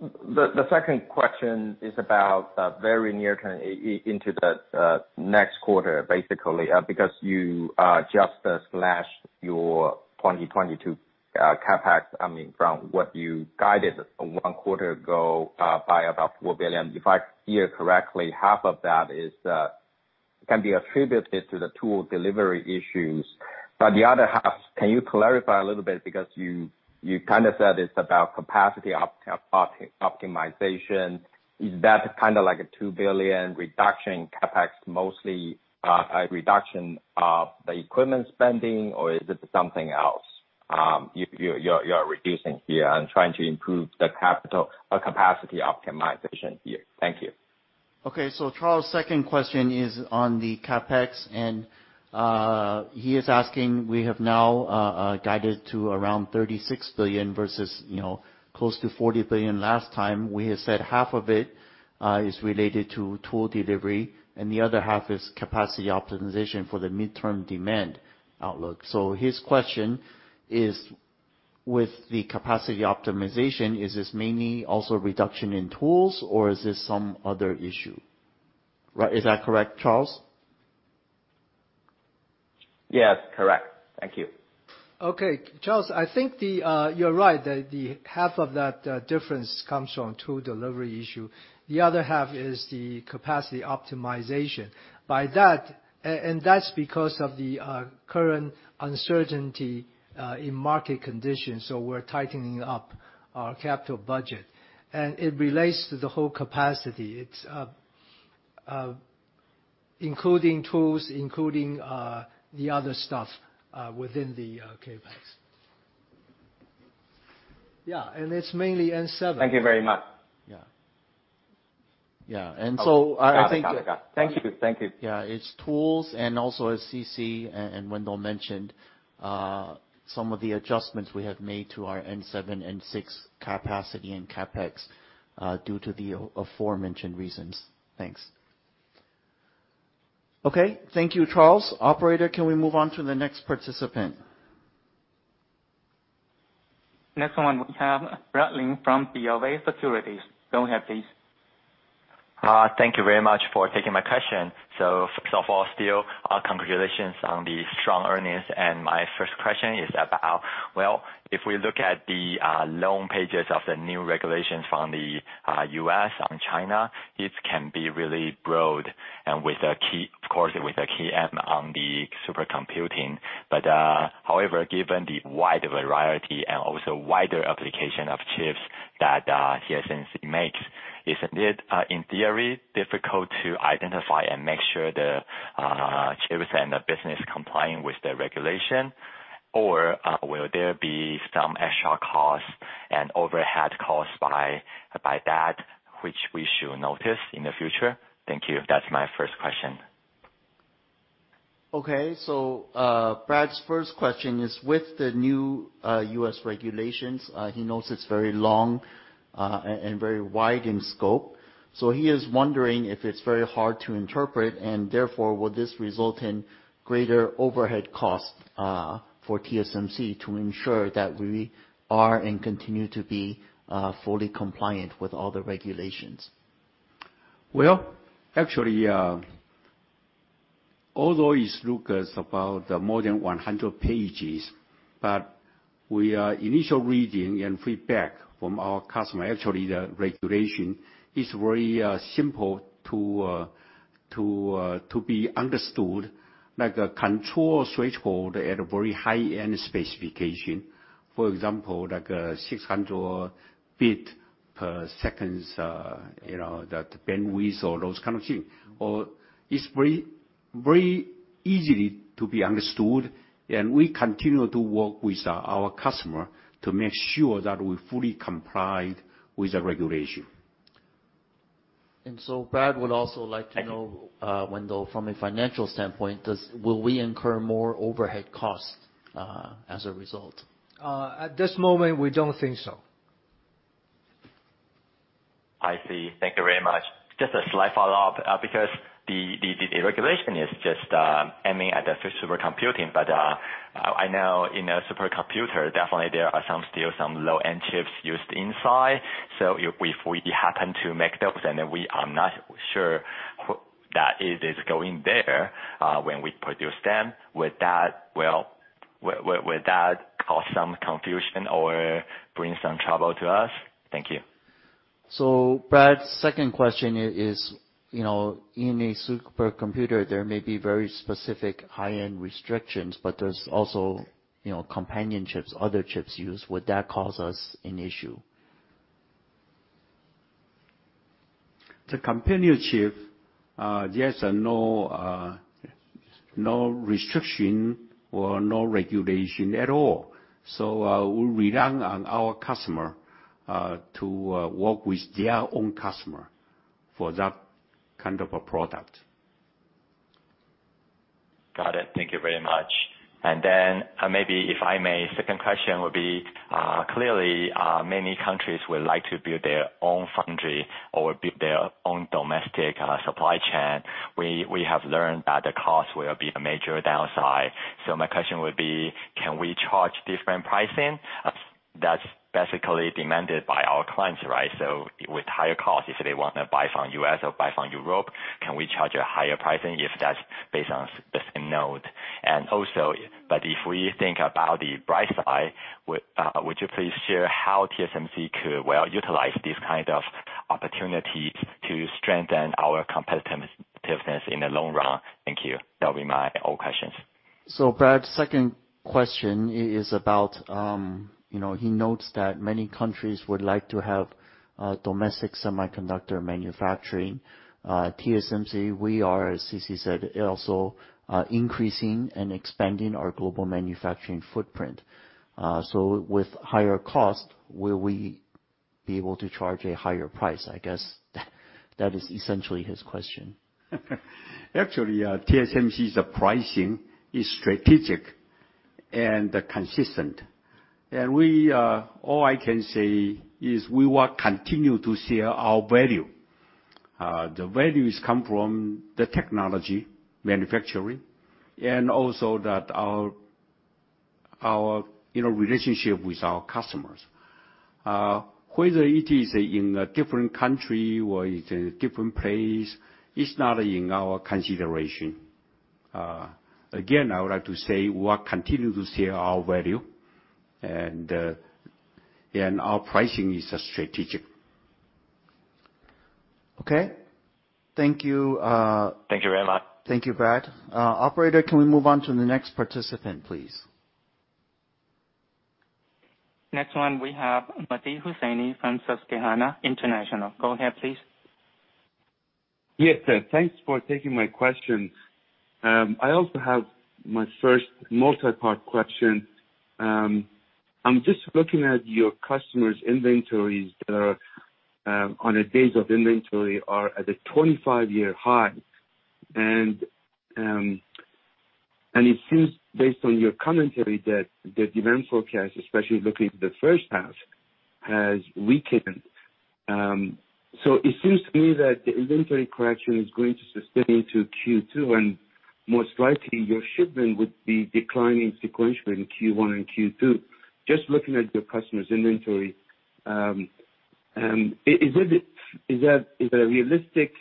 The second question is about very near term into the next quarter, basically, because you just slashed your 2022 CapEx, I mean, from what you guided one quarter ago, by about $4 billion. If I hear correctly, half of that can be attributed to the tool delivery issues. The other half, can you clarify a little bit because you kind of said it's about capacity optimization. Is that kinda like a $2 billion reduction in CapEx, mostly a reduction of the equipment spending, or is it something else, you're reducing here and trying to improve the capital or capacity optimization here? Thank you. Okay. Charles' second question is on the CapEx, and he is asking, we have now guided to around NT 36 billion versus, you know, close to NT 40 billion last time. We have said half of it is related to tool delivery, and the other half is capacity optimization for the midterm demand outlook. His question is, with the capacity optimization, is this mainly also reduction in tools, or is this some other issue? Right. Is that correct, Charles? Yes. Correct. Thank you. Okay. Charles, I think you're right, that the half of that difference comes from tool delivery issue. The other half is the capacity optimization. That's because of the current uncertainty in market conditions, so we're tightening up our capital budget. It relates to the whole capacity. It's including tools, including the other stuff within the CapEx. Yeah. It's mainly N7. Thank you very much. Yeah. I think. Thank you. Thank you. Yeah. It's tools, and also as CC and Wendell mentioned, some of the adjustments we have made to our N7, N6 capacity and CapEx, due to the aforementioned reasons. Thanks. Okay. Thank you, Charles. Operator, can we move on to the next participant? Next one we have Brad Lin from BofA Securities. Go ahead, please. Thank you very much for taking my question. First of all, still, congratulations on the strong earnings. My first question is about, well, if we look at the long pages of the new regulations from the U.S. on China, it can be really broad and, of course, with a key aim on the supercomputing. However, given the wide variety and also wider application of chips that TSMC makes, isn't it, in theory, difficult to identify and make sure the chips and the business complying with the regulation, or will there be some extra costs and overhead costs by that which we should notice in the future? Thank you. That's my first question. Brad's first question is, with the new U.S. regulations, he notes it's very long and very wide in scope. He is wondering if it's very hard to interpret, and therefore, will this result in greater overhead costs for TSMC to ensure that we are and continue to be fully compliant with all the regulations? Well, actually, although it looks about more than 100 pages, from our initial reading and feedback from our customer, actually the regulation is very simple to be understood, like a control switchboard at a very high-end specification. For example, like a 600 bits per second, you know, the bandwidth or those kind of things. Or it's very, very easy to be understood, and we continue to work with our customer to make sure that we fully comply with the regulation. Brad would also like to know, Wendell, from a financial standpoint, will we incur more overhead costs as a result? At this moment, we don't think so. I see. Thank you very much. Just a slight follow-up. Because the regulation is just aiming at the supercomputing, but I know in a supercomputer, definitely there are some low-end chips used inside. So if we happen to make those and then we are not sure that it is going there, when we produce them, will that cause some confusion or bring some trouble to us? Thank you. Brad's second question is, you know, in a supercomputer, there may be very specific high-end restrictions, but there's also, you know, companion chips, other chips used. Would that cause us an issue? The companion chip, yes and no. No restriction or no regulation at all. We rely on our customer to work with their own customer for that kind of a product. Got it. Thank you very much. Maybe if I may, second question would be, clearly, many countries would like to build their own foundry or build their own domestic supply chain. We have learned that the cost will be the major downside. My question would be, can we charge different pricing that's basically demanded by our clients, right? With higher cost, if they want to buy from U.S. or buy from Europe, can we charge a higher pricing if that's based on the same node? But if we think about the bright side, would you please share how TSMC could well utilize this kind of opportunity to strengthen our competitiveness in the long run? Thank you. That'll be all my questions. Brad's second question is about, you know, he notes that many countries would like to have domestic semiconductor manufacturing. TSMC, we are, as C.C. said, also increasing and expanding our global manufacturing footprint. With higher cost, will we be able to charge a higher price? I guess that is essentially his question. Actually, TSMC's pricing is strategic and consistent. All I can say is we will continue to share our value. The values come from the technology manufacturing, and also that our you know, relationship with our customers. Whether it is in a different country or it's in a different place, it's not in our consideration. Again, I would like to say, we are continuing to share our value, and our pricing is strategic. Okay. Thank you, Thank you very much. Thank you, Brad. Operator, can we move on to the next participant, please? Next one we have Mehdi Hosseini from Susquehanna International Group. Go ahead, please. Yes, sir. Thanks for taking my question. I also have my first multi-part question. I'm just looking at your customers' inventories that are on a days of inventory are at a 25-year high. It seems, based on your commentary, that the demand forecast, especially looking at the first half, has weakened. It seems to me that the inventory correction is going to sustain to Q2, and most likely, your shipment would be declining sequentially in Q1 and Q2. Just looking at your customers' inventory, is it? Is that a realistic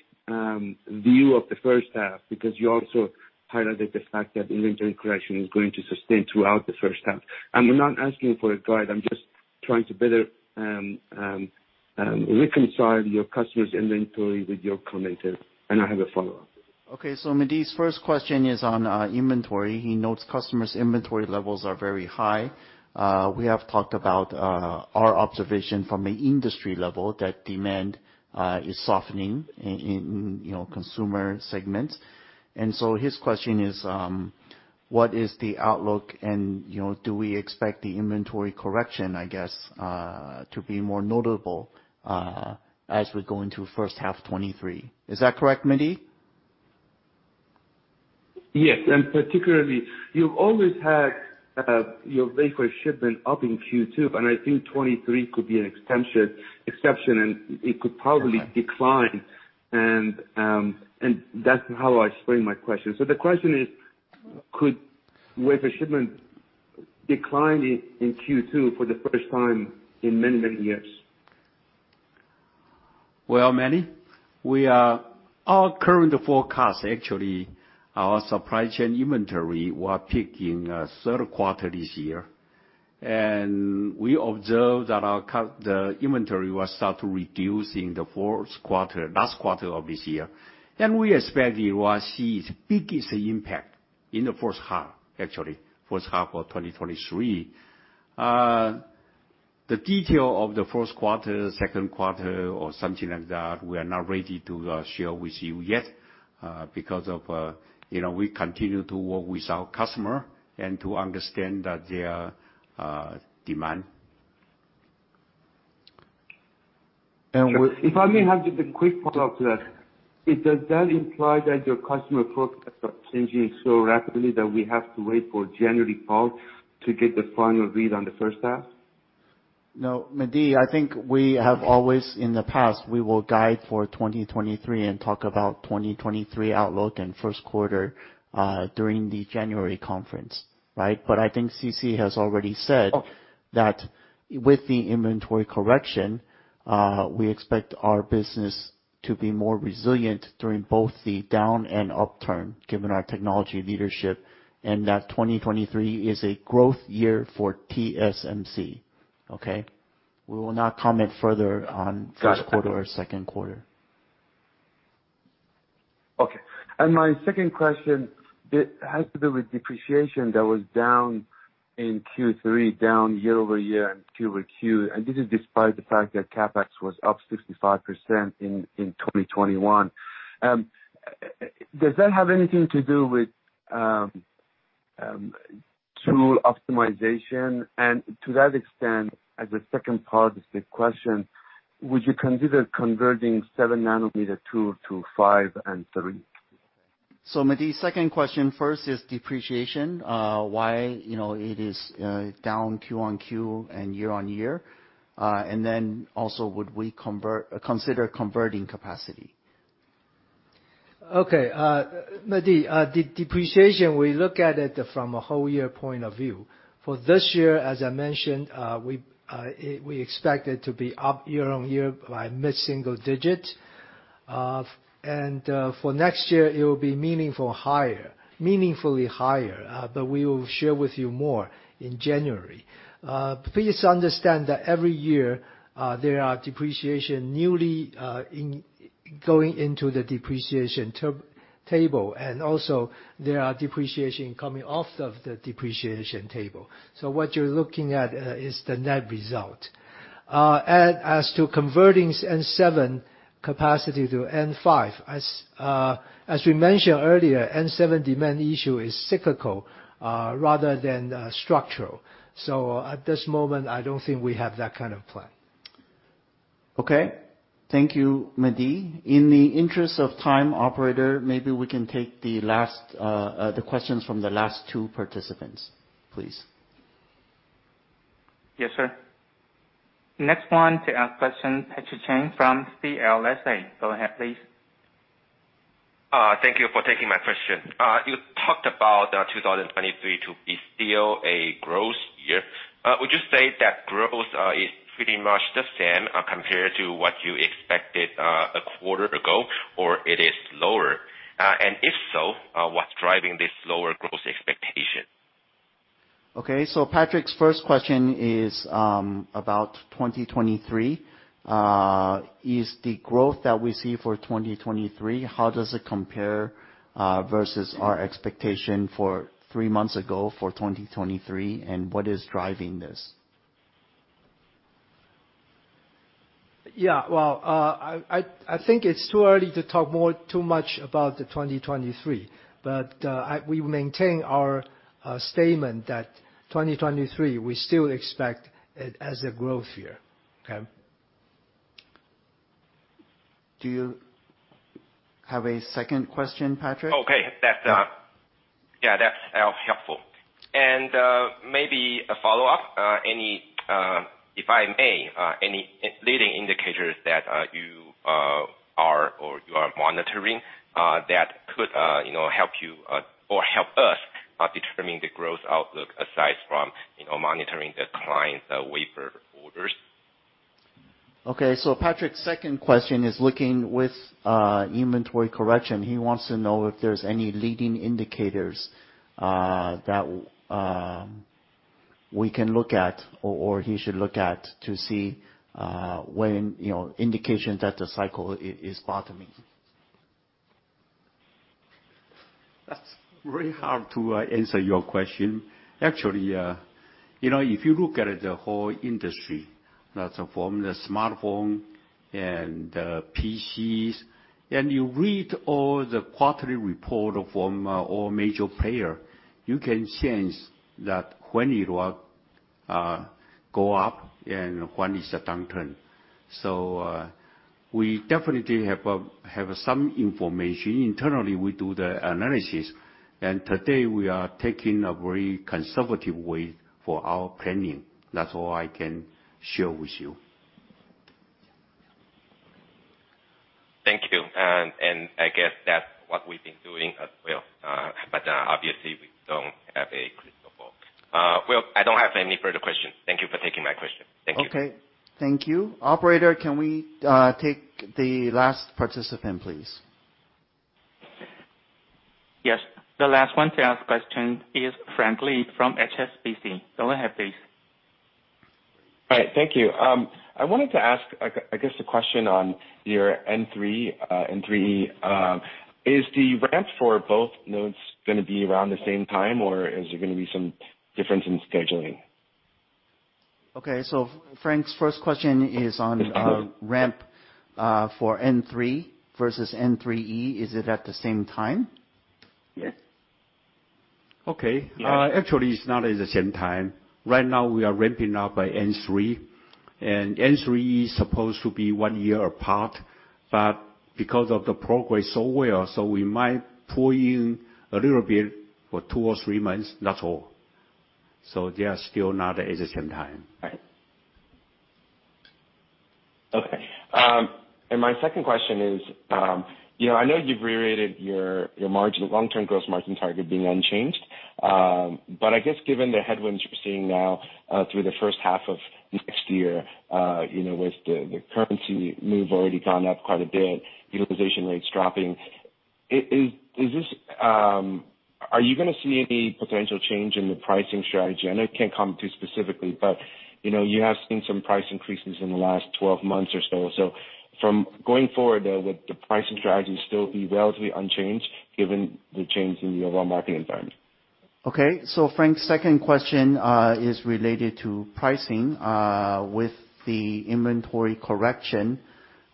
view of the first half? Because you also highlighted the fact that inventory correction is going to sustain throughout the first half. I'm not asking for a guide, I'm just trying to better reconcile your customers' inventory with your commentary. I have a follow-up. Okay, Mehdi's first question is on inventory. He notes customers' inventory levels are very high. We have talked about our observation from an industry level that demand is softening in, you know, consumer segments. His question is what is the outlook and, you know, do we expect the inventory correction, I guess, to be more notable as we go into first half 2023? Is that correct, Mehdi? Yes. Particularly, you've always had your wafer shipment up in Q2, but I think 2023 could be an exception and it could probably decline and that's how I frame my question. The question is, could wafer shipment decline in Q2 for the first time in many, many years? Well, Mehdi, our current forecast, actually, our supply chain inventory peaked in third quarter this year. We observed that the inventory will start to reduce in the fourth quarter, last quarter of this year. We expect you will see its biggest impact. In the first half, actually, of 2023. The details of the first quarter, second quarter, or something like that, we are not ready to share with you yet, because of, you know, we continue to work with our customer and to understand their demand. And we- If I may have just a quick follow-up to that. Does that imply that your customer focus are changing so rapidly that we have to wait for January call to get the final read on the first half? No, Mehdi, I think we have always in the past we will guide for 2023 and talk about 2023 outlook and first quarter during the January conference, right? I think C.C. has already said. Oh. that with the inventory correction, we expect our business to be more resilient during both the down and upturn, given our technology leadership, and that 2023 is a growth year for TSMC. Okay? We will not comment further on Got it. First quarter or second quarter. Okay. My second question, it has to do with depreciation that was down in Q3, down year-over-year and quarter-over-quarter, and this is despite the fact that CapEx was up 65% in 2021. Does that have anything to do with tool optimization? To that extent, as a second part of the question, would you consider converting 7 nm tool to 5 nm and 3 nm? Mehdi, second question first is depreciation, why, you know, it is down Q on Q and year-on-year. Also consider converting capacity. Okay. Mehdi, depreciation, we look at it from a whole year point of view. For this year, as I mentioned, we expect it to be up year-on-year by mid-single digits. For next year, it will be meaningfully higher, but we will share with you more in January. Please understand that every year, there are depreciation newly going into the depreciation table, and also there are depreciation coming off of the depreciation table. So what you're looking at is the net result. As to converting N7 capacity to N5, as we mentioned earlier, N7 demand issue is cyclical rather than structural. So at this moment, I don't think we have that kind of plan. Okay. Thank you, Mehdi. In the interest of time, operator, maybe we can take the last, the questions from the last two participants, please. Yes, sir. Next one to ask question, Patrick Chen from CLSA. Go ahead, please. Thank you for taking my question. You talked about 2023 to be still a growth year. Would you say that growth is pretty much the same compared to what you expected a quarter ago, or it is lower? If so, what's driving this lower growth expectation? Okay. Patrick's first question is about 2023. Is the growth that we see for 2023, how does it compare versus our expectation for three months ago for 2023, and what is driving this? Yeah. Well, I think it's too early to talk more too much about 2023. We maintain our statement that 2023, we still expect it as a growth year. Okay? Do you have a second question, Patrick? Okay. Yeah, that's helpful. Maybe a follow-up. If I may, any leading indicators that you are monitoring that could, you know, help you or help us determine the growth outlook aside from, you know, monitoring the client's wafer orders? Okay. Patrick's second question is looking with inventory correction. He wants to know if there's any leading indicators that we can look at or he should look at to see when, you know, indication that the cycle is bottoming. That's really hard to answer your question. Actually, you know, if you look at the whole industry, that's from the smartphone and PCs, and you read all the quarterly report from all major player, you can sense that when it will go up and when it's a downturn. We definitely have some information. Internally, we do the analysis. Today we are taking a very conservative way for our planning. That's all I can share with you. Thank you. I guess that's what we've been doing as well. But, obviously, we don't have a crystal ball. Well, I don't have any further questions. Thank you for taking my question. Thank you. Okay. Thank you. Operator, can we take the last participant, please? Yes. The last one to ask question is Frank Lee from HSBC. Go ahead, please. All right. Thank you. I wanted to ask, I guess, a question on your N3, N3E. Is the ramp for both nodes gonna be around the same time or is there gonna be some difference in scheduling? Okay. Frank's first question is on ramp for N3 versus N3E. Is it at the same time? Yes. Okay. Yeah. Actually, it's not at the same time. Right now we are ramping up by N3, and N3E is supposed to be one year apart, but because of the progress so well, so we might pull in a little bit for two or three months, that's all. They are still not at the same time. Right. Okay. My second question is, you know, I know you've reiterated your margin, long-term growth margin target being unchanged. I guess given the headwinds you're seeing now, through the first half of next year, you know, with the currency move already gone up quite a bit, utilization rates dropping, is this? Are you gonna see any potential change in the pricing strategy? I know it can't comment specifically, but, you know, you have seen some price increases in the last twelve months or so. From going forward though, would the pricing strategy still be relatively unchanged given the change in the overall market environment? Okay. Frank's second question is related to pricing. With the inventory correction,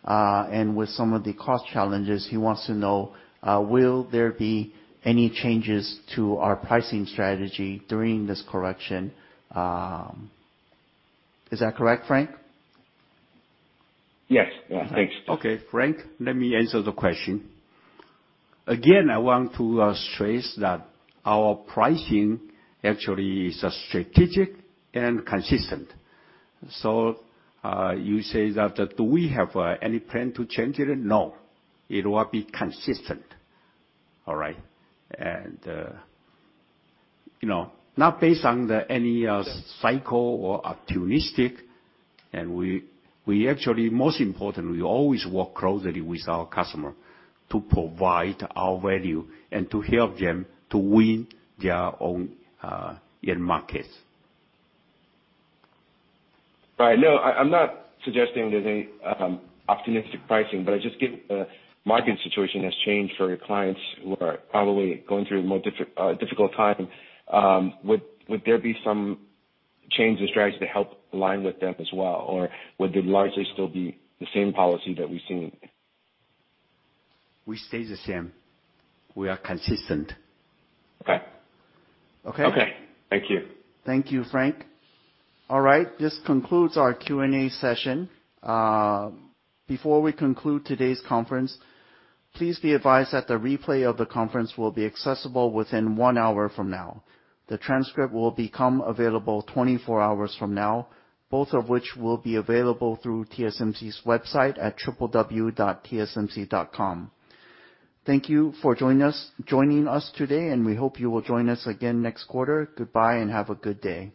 and with some of the cost challenges, he wants to know, will there be any changes to our pricing strategy during this correction? Is that correct, Frank? Yes. Yeah, thanks. Okay. Frank, let me answer the question. Again, I want to stress that our pricing actually is strategic and consistent. You say that, do we have any plan to change it? No, it will be consistent. All right? You know, not based on any cycle or opportunistic, and we actually most importantly, we always work closely with our customer to provide our value and to help them to win their own in markets. Right. No, I'm not suggesting there's any optimistic pricing, but just given the market situation has changed for your clients who are probably going through a more difficult time. Would there be some change in strategy to help align with them as well? Or would they largely still be the same policy that we've seen? We stay the same. We are consistent. Okay. Okay? Okay. Thank you. Thank you, Frank. All right. This concludes our Q&A session. Before we conclude today's conference, please be advised that the replay of the conference will be accessible within one hour from now. The transcript will become available 24 hours from now, both of which will be available through TSMC's website at www.tsmc.com. Thank you for joining us today, and we hope you will join us again next quarter. Goodbye and have a good day.